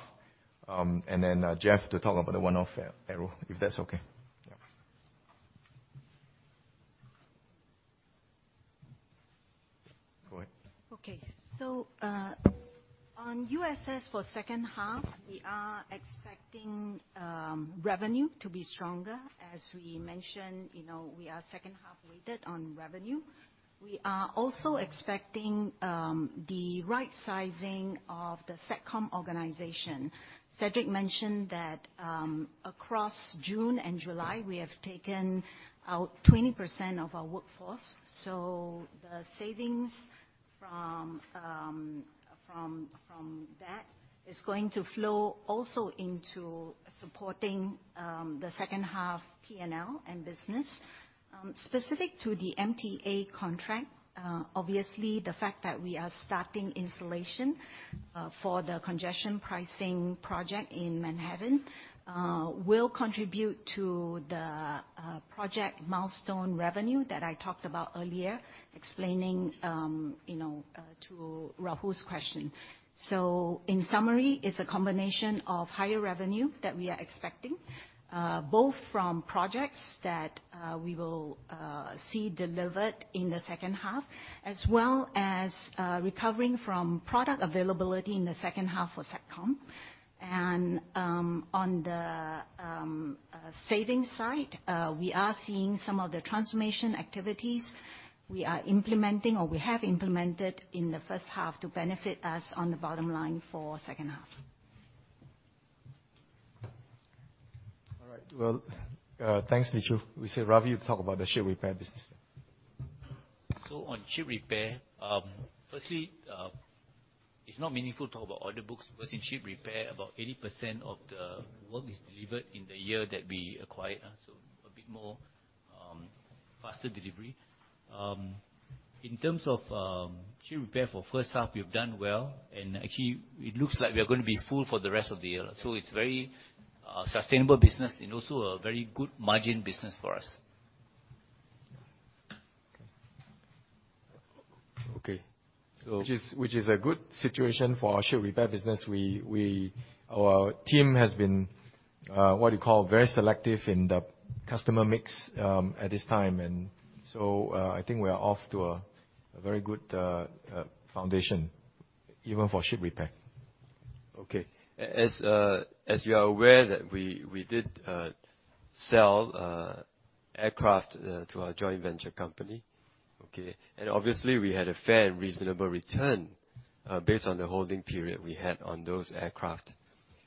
then Jeff, to talk about the one-off aero, if that's okay? Yeah. Go ahead. Okay. On USS, for second half, we are expecting revenue to be stronger. As we mentioned, you know, we are second half-weighted on revenue. We are also expecting the right sizing of the Satcom organization. Cedric mentioned that, across June and July, we have taken out 20% of our workforce, so the savings from that is going to flow also into supporting the second half P&L and business. Specific to the MTA contract, obviously, the fact that we are starting installation for the congestion pricing project in Manhattan, will contribute to the project milestone revenue that I talked about earlier, explaining, you know, to Rahul's question. In summary, it's a combination of higher revenue that we are expecting, both from projects that we will see delivered in the second half, as well as recovering from product availability in the second half for Satcom. On the savings side, we are seeing some of the transformation activities we are implementing or we have implemented in the first half to benefit us on the bottom line for second half. All right. Well, thanks, Nichol. We say, Ravi, you talk about the ship repair business. On ship repair, firstly, it's not meaningful to talk about order books, because in ship repair, about 80% of the work is delivered in the year that we acquired, so a bit more faster delivery. In terms of ship repair for first half, we've done well, and actually, it looks like we are gonna be full for the rest of the year. It's very sustainable business and also a very good margin business for us. Okay. Which is, which is a good situation for our ship repair business. We our team has been, what you call, very selective in the customer mix, at this time. I think we are off to a, a very good, foundation, even for ship repair. Okay. As, as you are aware, that we, we did, sell, aircraft, to our joint venture company, okay? Obviously, we had a fair and reasonable return, based on the holding period we had on those aircraft.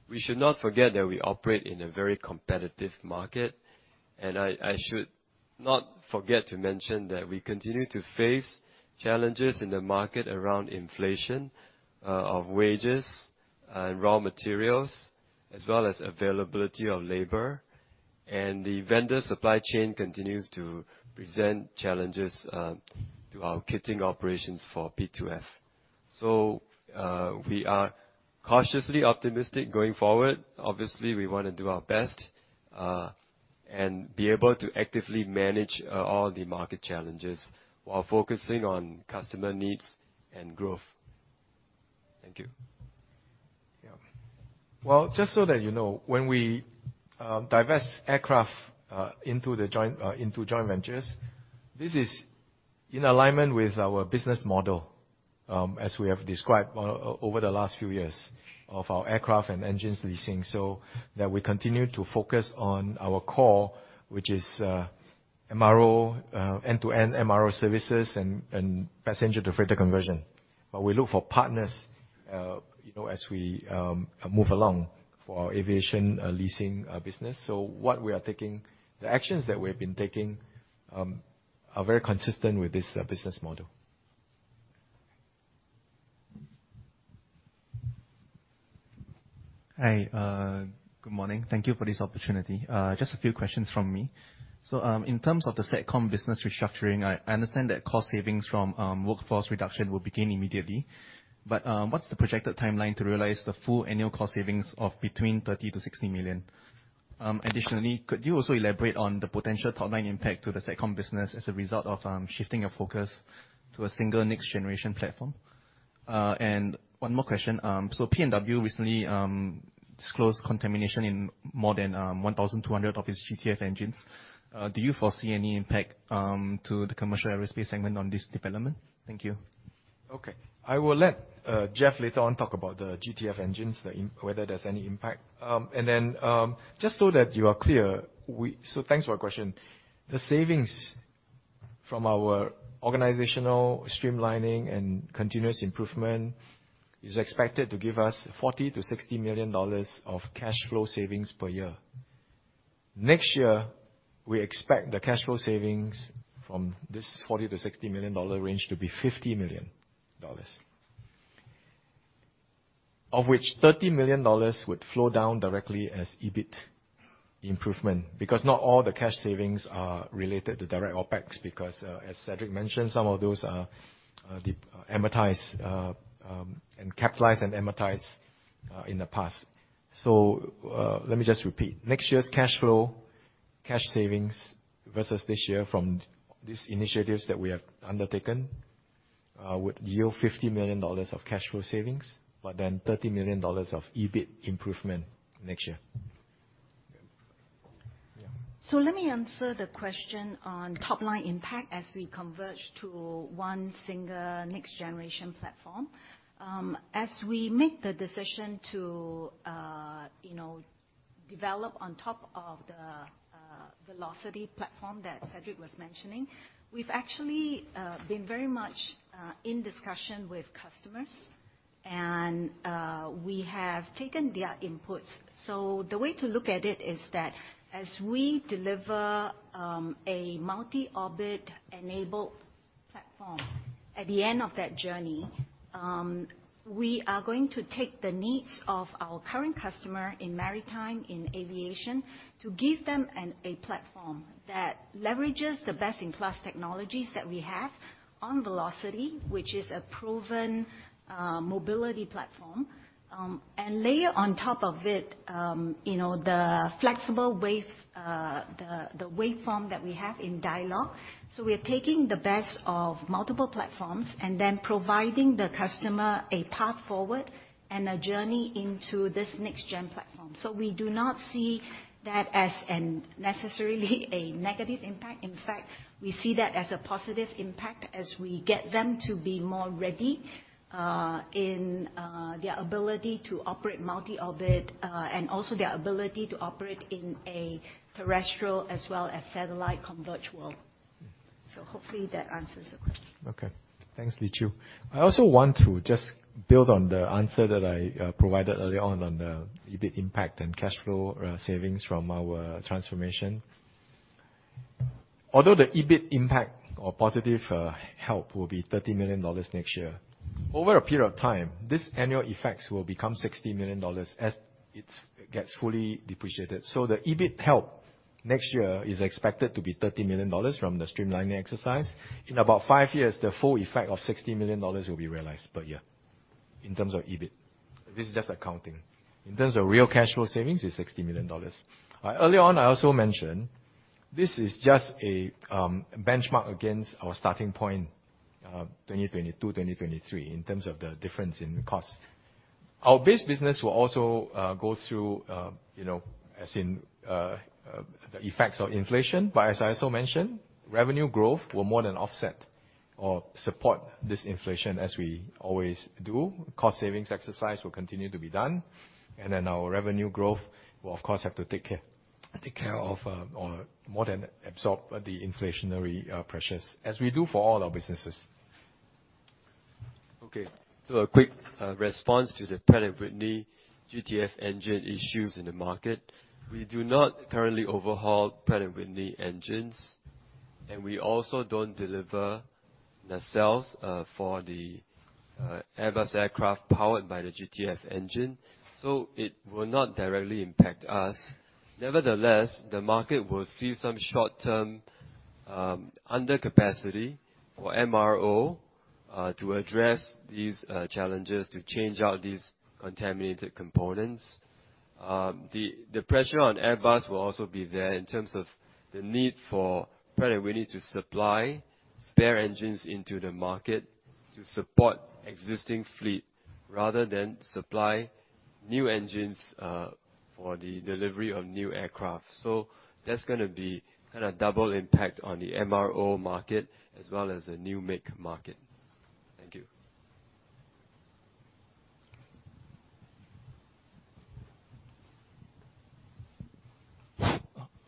We should not forget that we operate in a very competitive market, and I should not forget to mention that we continue to face challenges in the market around inflation of wages and raw materials, as well as availability of labor, and the vendor supply chain continues to present challenges to our kitting operations for P2F. We are cautiously optimistic going forward. Obviously, we want to do our best and be able to actively manage all the market challenges while focusing on customer needs and growth. Thank you. Yeah. Well, just so that you know, when we divest aircraft into joint ventures, this is in alignment with our business model as we have described over the last few years, of our aircraft and engines leasing. That we continue to focus on our core, which is MRO, end-to-end MRO services and passenger to freighter conversion. We look for partners, you know, as we move along for our aviation leasing business. The actions that we have been taking are very consistent with this business model. Hi. Good morning. Thank you for this opportunity. Just a few questions from me. In terms of the Satcom business restructuring, I understand that cost savings from workforce reduction will begin immediately, but what's the projected timeline to realize the full annual cost savings of between 30 million-60 million? Additionally, could you also elaborate on the potential top-line impact to the Satcom business as a result of shifting your focus to a single next-generation platform? And one more question, P&W recently disclosed contamination in more than 1,200 of its GTF engines. Do you foresee any impact to the Commercial Aerospace segment on this development? Thank you. Okay, I will let Jeff, later on, talk about the GTF engines, whether there's any impact. Just so that you are clear. Thanks for your question. The savings from our organizational streamlining and continuous improvement is expected to give us $40 million-$60 million of cash flow savings per year. Next year, we expect the cash flow savings from this $40 million-$60 million range to be $50 million, of which $30 million would flow down directly as EBIT improvement, because not all the cash savings are related to direct OpEx. As Cedric mentioned, some of those are capitalized and amortized in the past. Let me just repeat. Next year's cash flow, cash savings, versus this year from these initiatives that we have undertaken, would yield 50 million dollars of cash flow savings, but then 30 million dollars of EBIT improvement next year. Let me answer the question on top-line impact as we converge to one single next-generation platform. As we make the decision to, you know, develop on top of the Velocity platform that Cedric was mentioning, we've actually been very much in discussion with customers, and we have taken their inputs. The way to look at it is that as we deliver a multi-orbit enabled-... at the end of that journey, we are going to take the needs of our current customer in maritime, in aviation, to give them an, a platform that leverages the best-in-class technologies that we have on Velocity, which is a proven mobility platform. Layer on top of it, you know, the flexible wave, the, the waveform that we have in DIALOG. We are taking the best of multiple platforms, and then providing the customer a path forward and a journey into this next-gen platform. We do not see that as a necessarily a negative impact. In fact, we see that as a positive impact as we get them to be more ready, in their ability to operate multi-orbit, and also their ability to operate in a terrestrial as well as satellite converged world. Hopefully that answers the question. Okay. Thanks, Liqiu. I also want to just build on the answer that I provided early on, on the EBIT impact and cash flow savings from our transformation. Although the EBIT impact or positive help will be $30 million next year, over a period of time, this annual effects will become $60 million as it gets fully depreciated. The EBIT help next year is expected to be $30 million from the streamlining exercise. In about 5 years, the full effect of $60 million will be realized per year in terms of EBIT. This is just accounting. In terms of real cash flow savings, it's $60 million. Early on, I also mentioned this is just a benchmark against our starting point, 2022, 2023, in terms of the difference in cost. Our base business will also go through, you know, as in, the effects of inflation. As I also mentioned, revenue growth will more than offset or support this inflation, as we always do. Cost savings exercise will continue to be done. Our revenue growth will, of course, have to take care, take care of, or more than absorb the inflationary pressures, as we do for all our businesses. Okay, a quick response to the Pratt & Whitney GTF engine issues in the market. We do not currently overhaul Pratt & Whitney engines, and we also don't deliver the nacelles for the Airbus aircraft powered by the GTF engine, it will not directly impact us. Nevertheless, the market will see some short-term under capacity for MRO to address these challenges, to change out these contaminated components. The pressure on Airbus will also be there in terms of the need for Pratt & Whitney to supply spare engines into the market to support existing fleet, rather than supply new engines for the delivery of new aircraft. That's gonna be kind of double impact on the MRO market as well as the new make market.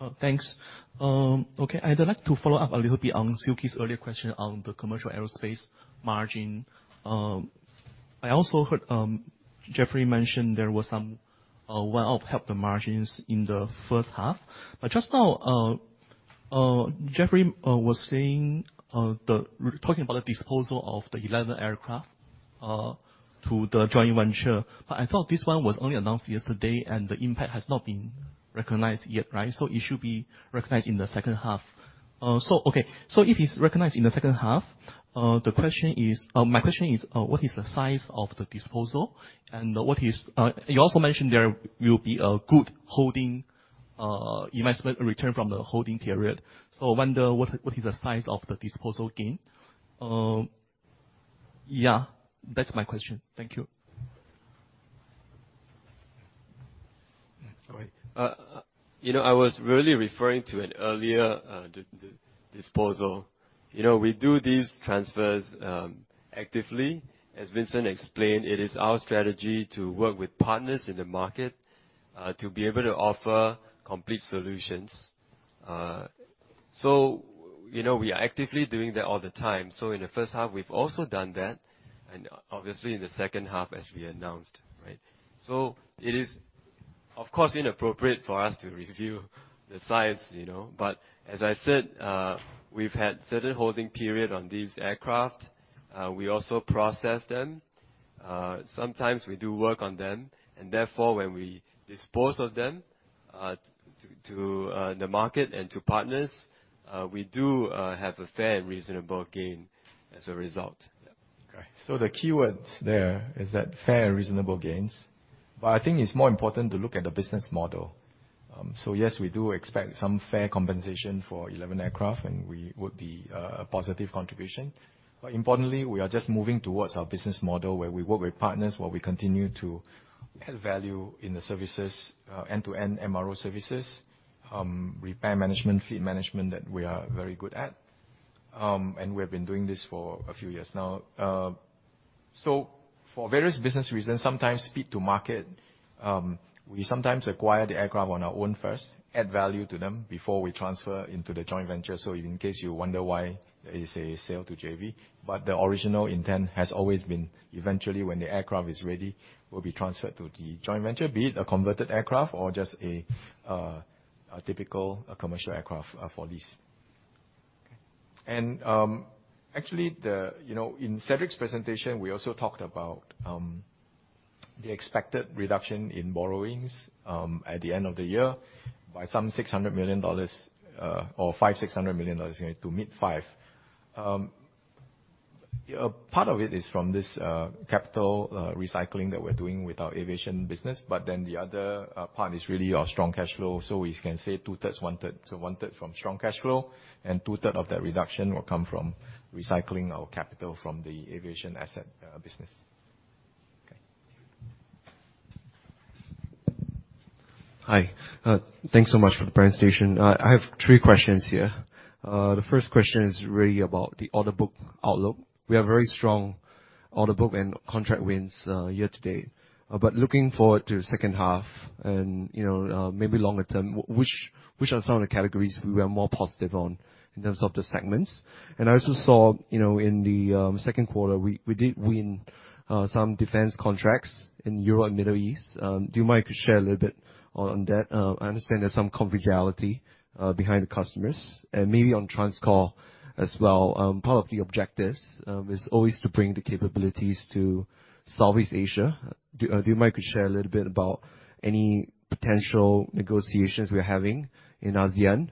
Thank you. Thanks. Okay, I'd like to follow up a little bit on Suki's earlier question on the Commercial Aerospace margin. I also heard Jeffrey mention there was some, well, help the margins in the first half. Just now, Jeffrey was saying, talking about the disposal of the 11 aircraft to the joint venture. I thought this one was only announced yesterday, and the impact has not been recognized yet, right? It should be recognized in the second half. It is recognized in the second half. The question is, my question is, what is the size of the disposal, and what is You also mentioned there will be a good holding investment return from the holding period. I wonder, what is the size of the disposal gain? Yeah, that's my question. Thank you. All right. You know, I was really referring to an earlier disposal. You know, we do these transfers actively. As Vincent explained, it is our strategy to work with partners in the market to be able to offer complete solutions. You know, we are actively doing that all the time. In the first half, we've also done that, and obviously, in the second half, as we announced, right? It is, of course, inappropriate for us to review the size, you know, but as I said, we've had certain holding period on these aircraft. We also process them. Sometimes we do work on them, and therefore, when we dispose of them to, to the market and to partners, we do have a fair and reasonable gain as a result. Yeah. Okay, the keywords there is that fair and reasonable gains. I think it's more important to look at the business model. Yes, we do expect some fair compensation for 11 aircraft, and we would be a positive contribution. Importantly, we are just moving towards our business model, where we work with partners, while we continue to add value in the services, end-to-end MRO services, repair management, fleet management, that we are very good at. We have been doing this for a few years now. For various business reasons, sometimes speed to market, we sometimes acquire the aircraft on our own first, add value to them, before we transfer into the joint venture. In case you wonder why it's a sale to JV, but the original intent has always been eventually, when the aircraft is ready, will be transferred to the joint venture, be it a converted aircraft or just a typical commercial aircraft for lease. Actually, the, you know, in Cedric's presentation, we also talked about the expected reduction in borrowings at the end of the year by some $600 million or $500 million-$600 million to mid five. Part of it is from this capital recycling that we're doing with our aviation business, but then the other part is really our strong cash flow. We can say 2/3, 1/3. 1/3 from strong cash flow, and 2/3 of that reduction will come from recycling our capital from the aviation asset business. Okay. Hi. Thanks so much for the presentation. I have 3 questions here. The first question is really about the order book outlook. We have very strong order book and contract wins year-to-date. Looking forward to the second half and, you know, maybe longer term, which, which are some of the categories we are more positive on in terms of the segments? I also saw, you know, in the second quarter, we, we did win some defense contracts in Europe and Middle East. Do you mind to share a little bit on, on that? I understand there's some confidentiality behind the customers. Maybe on TransCore as well, part of the objectives is always to bring the capabilities to Southeast Asia. Do you mind to share a little bit about any potential negotiations we are having in ASEAN?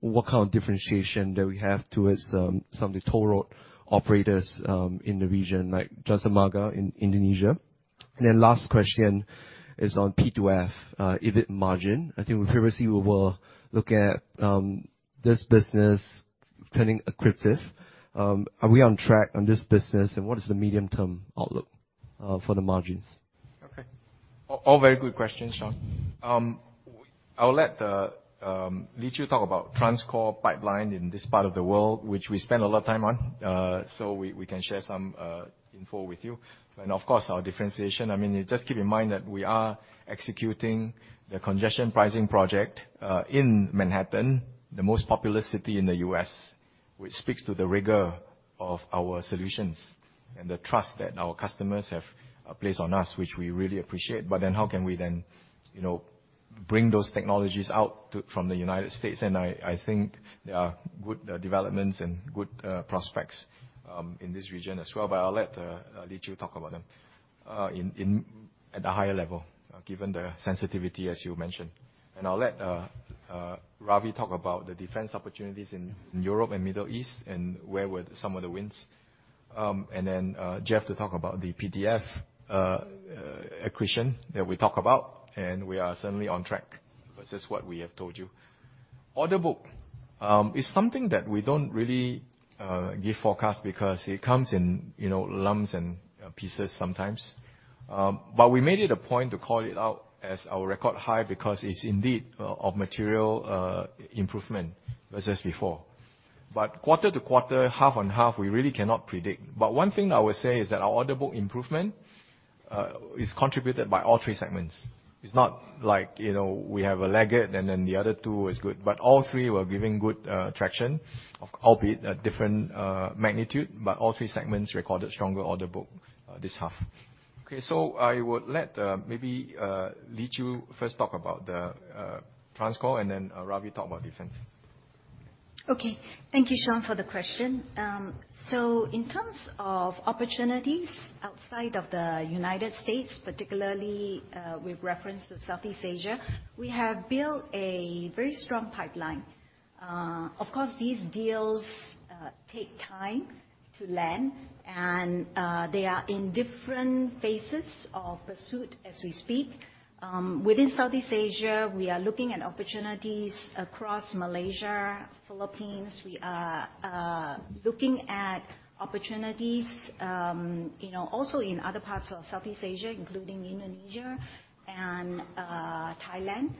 What kind of differentiation do we have towards some of the toll road operators in the region, like Jasa Marga in Indonesia? Last question is on P2F EBIT margin. I think we previously were looking at this business turning accretive. Are we on track on this business, and what is the medium-term outlook for the margins? Okay. All, all very good questions, Sean. I'll let Li Qiu talk about TransCore pipeline in this part of the world, which we spend a lot of time on, so we, we can share some info with you. Of course, our differentiation, I mean, just keep in mind that we are executing the congestion pricing project in Manhattan, the most populous city in the U.S., which speaks to the rigor of our solutions and the trust that our customers have placed on us, which we really appreciate. Then how can we then, you know, bring those technologies out to-- from the United States? I, I think there are good developments and good prospects in this region as well. I'll let Li Qiu talk about them in at a higher level, given the sensitivity, as you mentioned. I'll let Ravi talk about the defense opportunities in Europe and Middle East, and where were some of the wins. Jeff to talk about the P2F accretion that we talk about, and we are certainly on track versus what we have told you. Order book is something that we don't really give forecast because it comes in, you know, lumps and pieces sometimes. We made it a point to call it out as our record high because it's indeed of material improvement versus before. Quarter to quarter, half on half, we really cannot predict. One thing I would say is that our order book improvement is contributed by all three segments. It's not like, you know, we have a laggard, and then the other two is good. All three were giving good traction, albeit at different magnitude, but all three segments recorded stronger order book this half. Okay, I would let maybe Li Qiu first talk about the TransCore, and then Ravi talk about Defence. Okay. Thank you, Sean, for the question. In terms of opportunities outside of the United States, particularly with reference to Southeast Asia, we have built a very strong pipeline. Of course, these deals take time to land, and they are in different phases of pursuit as we speak. Within Southeast Asia, we are looking at opportunities across Malaysia, Philippines. We are looking at opportunities, you know, also in other parts of Southeast Asia, including Indonesia and Thailand.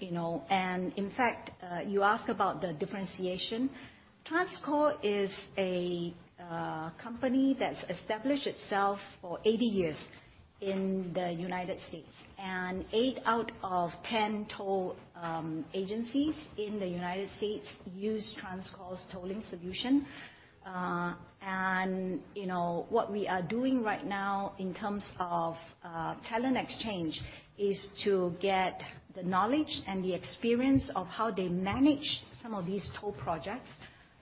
You know, in fact, you ask about the differentiation. TransCore is a company that's established itself for 80 years in the United States, 8 out of 10 toll agencies in the United States use TransCore's tolling solution. You know, what we are doing right now in terms of talent exchange, is to get the knowledge and the experience of how they manage some of these toll projects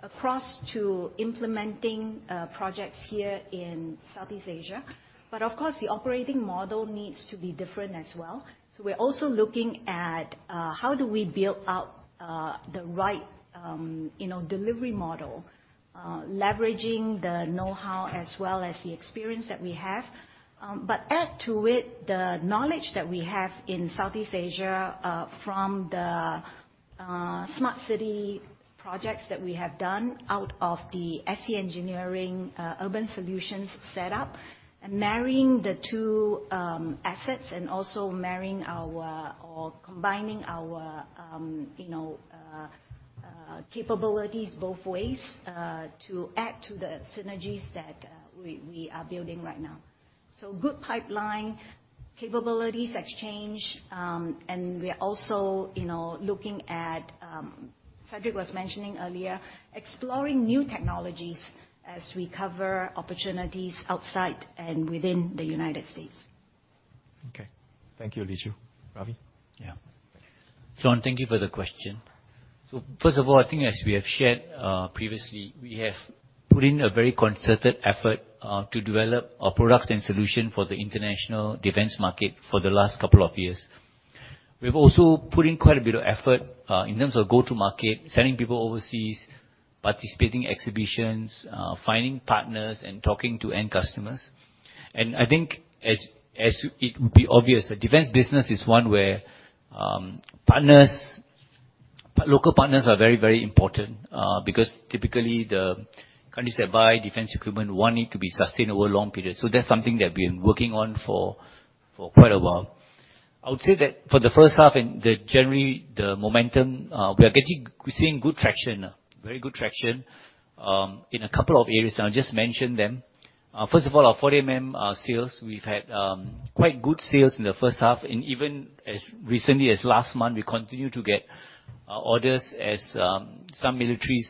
across to implementing projects here in Southeast Asia. Of course, the operating model needs to be different as well. We're also looking at how do we build out the right, you know, delivery model, leveraging the know-how as well as the experience that we have. Add to it the knowledge that we have in Southeast Asia, from the smart city projects that we have done out of the ST Engineering Urban Solutions set up, and marrying the two assets, and also marrying our, or combining our, you know, capabilities both ways, to add to the synergies that we are building right now. Good pipeline, capabilities exchange, and we are also, you know, looking at, Cedric was mentioning earlier, exploring new technologies as we cover opportunities outside and within the United States. Okay. Thank you, Lichi. Ravi? Yeah, thanks. John, thank you for the question. First of all, I think as we have shared, previously, we have put in a very concerted effort to develop our products and solution for the international defense market for the last couple of years. We've also put in quite a bit of effort in terms of go-to-market, sending people overseas, participating exhibitions, finding partners and talking to end customers. I think as, as it would be obvious, the defense business is one where partners, local partners are very, very important because typically the countries that buy defense equipment want it to be sustainable long period. That's something that we've been working on for, for quite a while. I would say that for the first half, and the generally, the momentum, we're seeing good traction, very good traction in a couple of areas. I'll just mention them. First of all, our 40 mm sales. We've had quite good sales in the first half, and even as recently as last month, we continue to get orders as some militaries,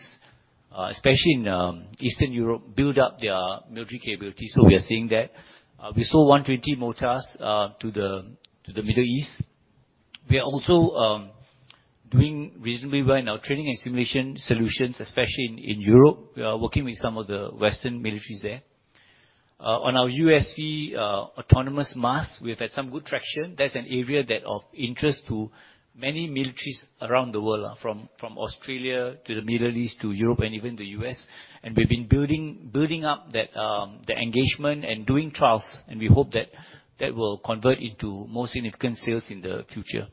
especially in Eastern Europe, build up their military capability, so we are seeing that. We sold 120 mm mortars to the Middle East. We are also doing reasonably well in our training and simulation solutions, especially in Europe. We are working with some of the Western militaries there. On our U.S.C Autonomous Mast, we've had some good traction. That's an area that of interest to many militaries around the world, from, from Australia to the Middle East to Europe and even the U.S., and we've been building, building up that, the engagement and doing trials, and we hope that that will convert into more significant sales in the future.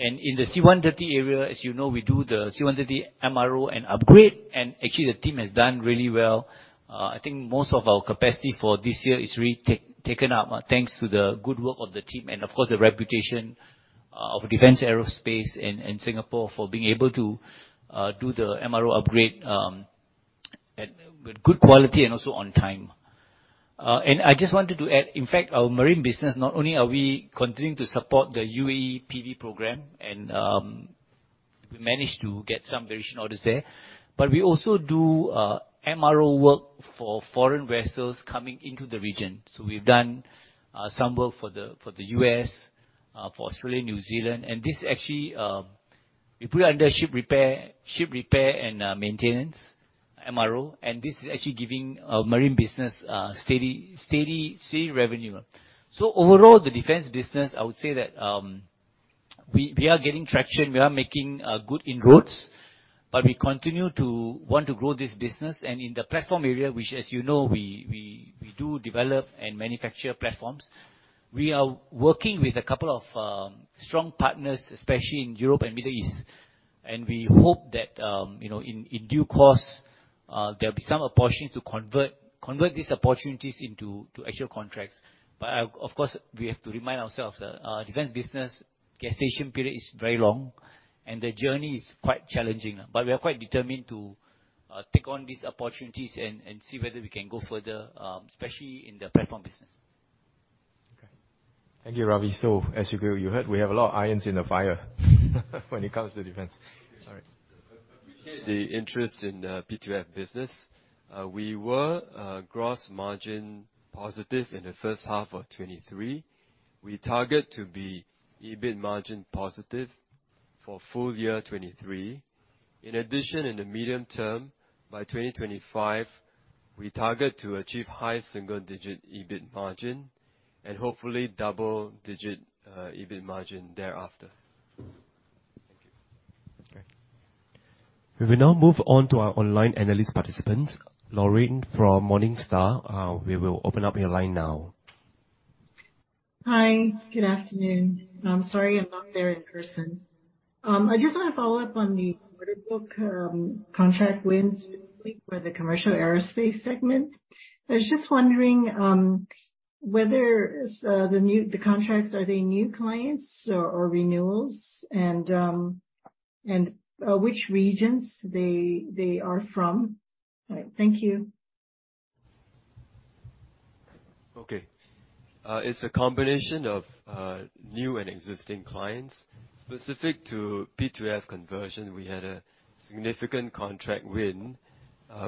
In the C-130 area, as you know, we do the C-130 MRO and upgrade, and actually the team has done really well. I think most of our capacity for this year is really take-taken up, thanks to the good work of the team and, of course, the reputation of defense, aerospace and, and Singapore for being able to do the MRO upgrade at with good quality and also on time. I just wanted to add, in fact, our marine business, not only are we continuing to support the UAE PV program, and we managed to get some variation orders there, but we also do MRO work for foreign vessels coming into the region. We've done some work for the U.S., for Australia, New Zealand, and this actually we put under ship repair, ship repair and maintenance, MRO, and this is actually giving a marine business steady, steady, steady revenue. Overall, the defense business, I would say that we, we are getting traction, we are making good inroads, but we continue to want to grow this business. In the platform area, which, as you know, we, we, we do develop and manufacture platforms, we are working with a couple of strong partners, especially in Europe and Middle East. We hope that, you know, in, in due course, there'll be some opportunity to convert, convert these opportunities into, to actual contracts. Of course, we have to remind ourselves, defense business, gestation period is very long, and the journey is quite challenging. We are quite determined to take on these opportunities and, and see whether we can go further, especially in the platform business. Okay. Thank you, Ravi. As you go, you heard we have a lot of irons in the fire, when it comes to defense. All right. Appreciate the interest in the P2F business. We were gross margin positive in the first half of 2023. We target to be EBIT margin positive for full year 2023. In addition, in the medium term, by 2025, we target to achieve high single-digit EBIT margin and hopefully double-digit EBIT margin thereafter. Thank you. Okay. We will now move on to our online analyst participants. Lorraine from Morningstar, we will open up your line now. Hi, good afternoon. I'm sorry I'm not there in person. I just want to follow up on the order book, contract wins for the Commercial Aerospace segment. I was just wondering, whether the contracts, are they new clients or renewals? Which regions they are from? All right, thank you. Okay. It's a combination of new and existing clients. Specific to P2F conversion, we had a significant contract win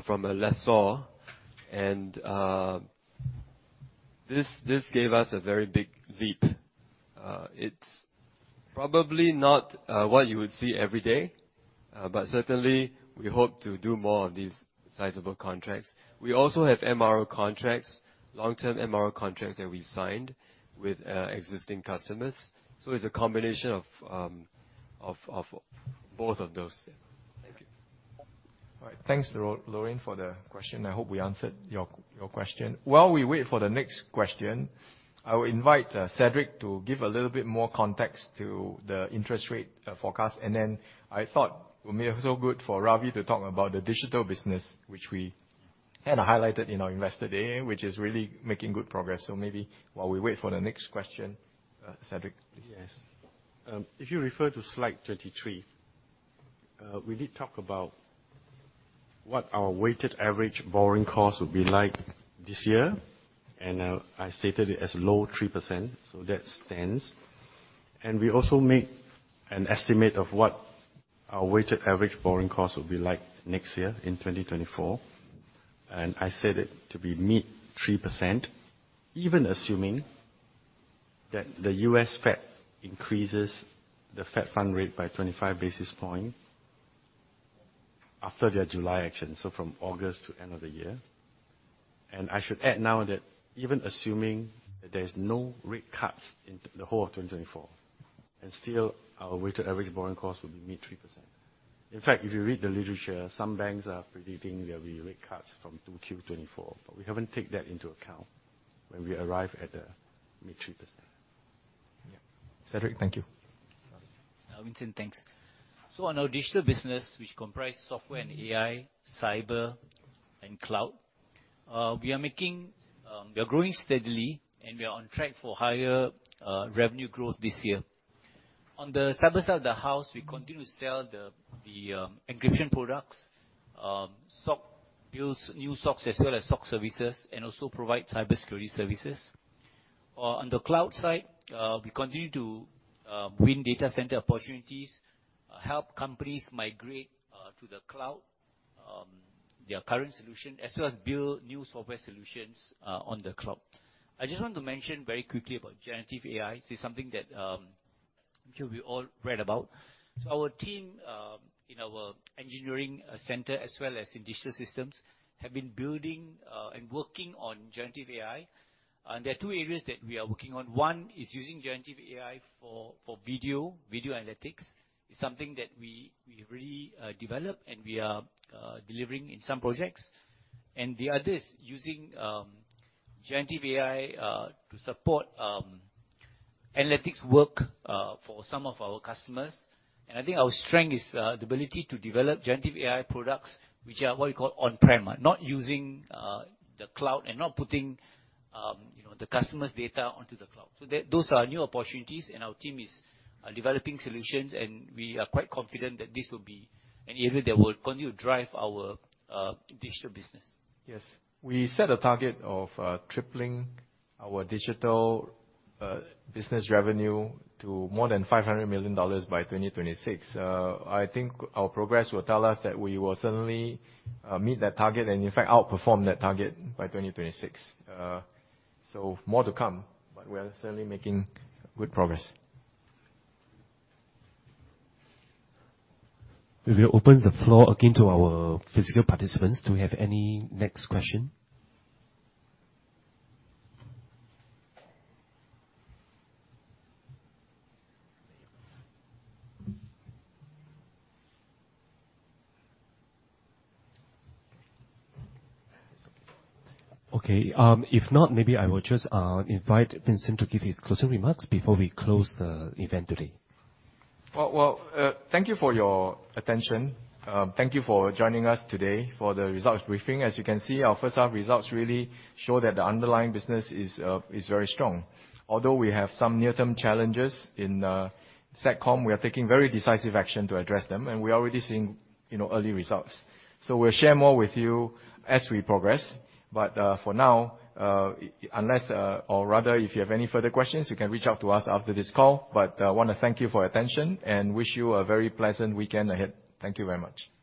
from a lessor, and this gave us a very big leap. It's probably not what you would see every day, but certainly we hope to do more on these sizable contracts. We also have MRO contracts, long-term MRO contracts, that we signed with existing customers. It's a combination of both of those. Thank you. All right. Thanks, Lorraine, for the question. I hope we answered your, your question. While we wait for the next question, I will invite Cedric to give a little bit more context to the interest rate forecast. I thought it may be so good for Ravi to talk about the digital business, which we kind of highlighted in our Investor Day, which is really making good progress. Maybe while we wait for the next question, Cedric, please. Yes. If you refer to slide 23, we did talk about what our weighted average borrowing cost would be like this year, and I stated it as low 3%, so that stands. We also make an estimate of what our weighted average borrowing cost will be like next year, in 2024.... I said it to be mid 3%, even assuming that the Federal Reserve increases the Fed funds rate by 25 basis points after their July action, so from August to end of the year. I should add now that even assuming that there's no rate cuts in the whole of 2024, and still, our weighted average borrowing cost will be mid 3%. In fact, if you read the literature, some banks are predicting there'll be rate cuts from 2Q 2024, but we haven't taken that into account when we arrive at the mid 3%. Yeah. Cedric, thank you. Vincent, thanks. On our digital business, which comprise software and AI, cyber, and cloud, we are making. We are growing steadily, and we are on track for higher revenue growth this year. On the cyber side of the house, we continue to sell the, the encryption products, SOC builds new SOCs as well as SOC services, and also provide cybersecurity services. On the cloud side, we continue to win data center opportunities, help companies migrate to the cloud, their current solution, as well as build new software solutions on the cloud. I just want to mention very quickly about generative AI. This is something that I'm sure we all read about. Our team in our engineering center, as well as in digital systems, have been building and working on generative AI. There are two areas that we are working on. One is using generative AI for, for video, video analytics. It's something that we, we've already developed, and we are delivering in some projects. The other is using generative AI to support analytics work for some of our customers. I think our strength is the ability to develop generative AI products, which are what we call on-premises, not using the cloud and not putting, you know, the customer's data onto the cloud. Those are our new opportunities, and our team is developing solutions, and we are quite confident that this will be an area that will continue to drive our digital business. Yes. We set a target of tripling our digital business revenue to more than $500 million by 2026. I think our progress will tell us that we will certainly meet that target and, in fact, outperform that target by 2026. More to come, but we are certainly making good progress. We will open the floor again to our physical participants. Do we have any next question? Okay, if not, maybe I will just invite Vincent to give his closing remarks before we close the event today. Well, well, thank you for your attention. Thank you for joining us today for the results briefing. As you can see, our first half results really show that the underlying business is very strong. Although we have some near-term challenges in Satcom, we are taking very decisive action to address them, we are already seeing, you know, early results. We'll share more with you as we progress, for now, unless or rather, if you have any further questions, you can reach out to us after this call. I want to thank you for your attention, wish you a very pleasant weekend ahead. Thank you very much. Thank you.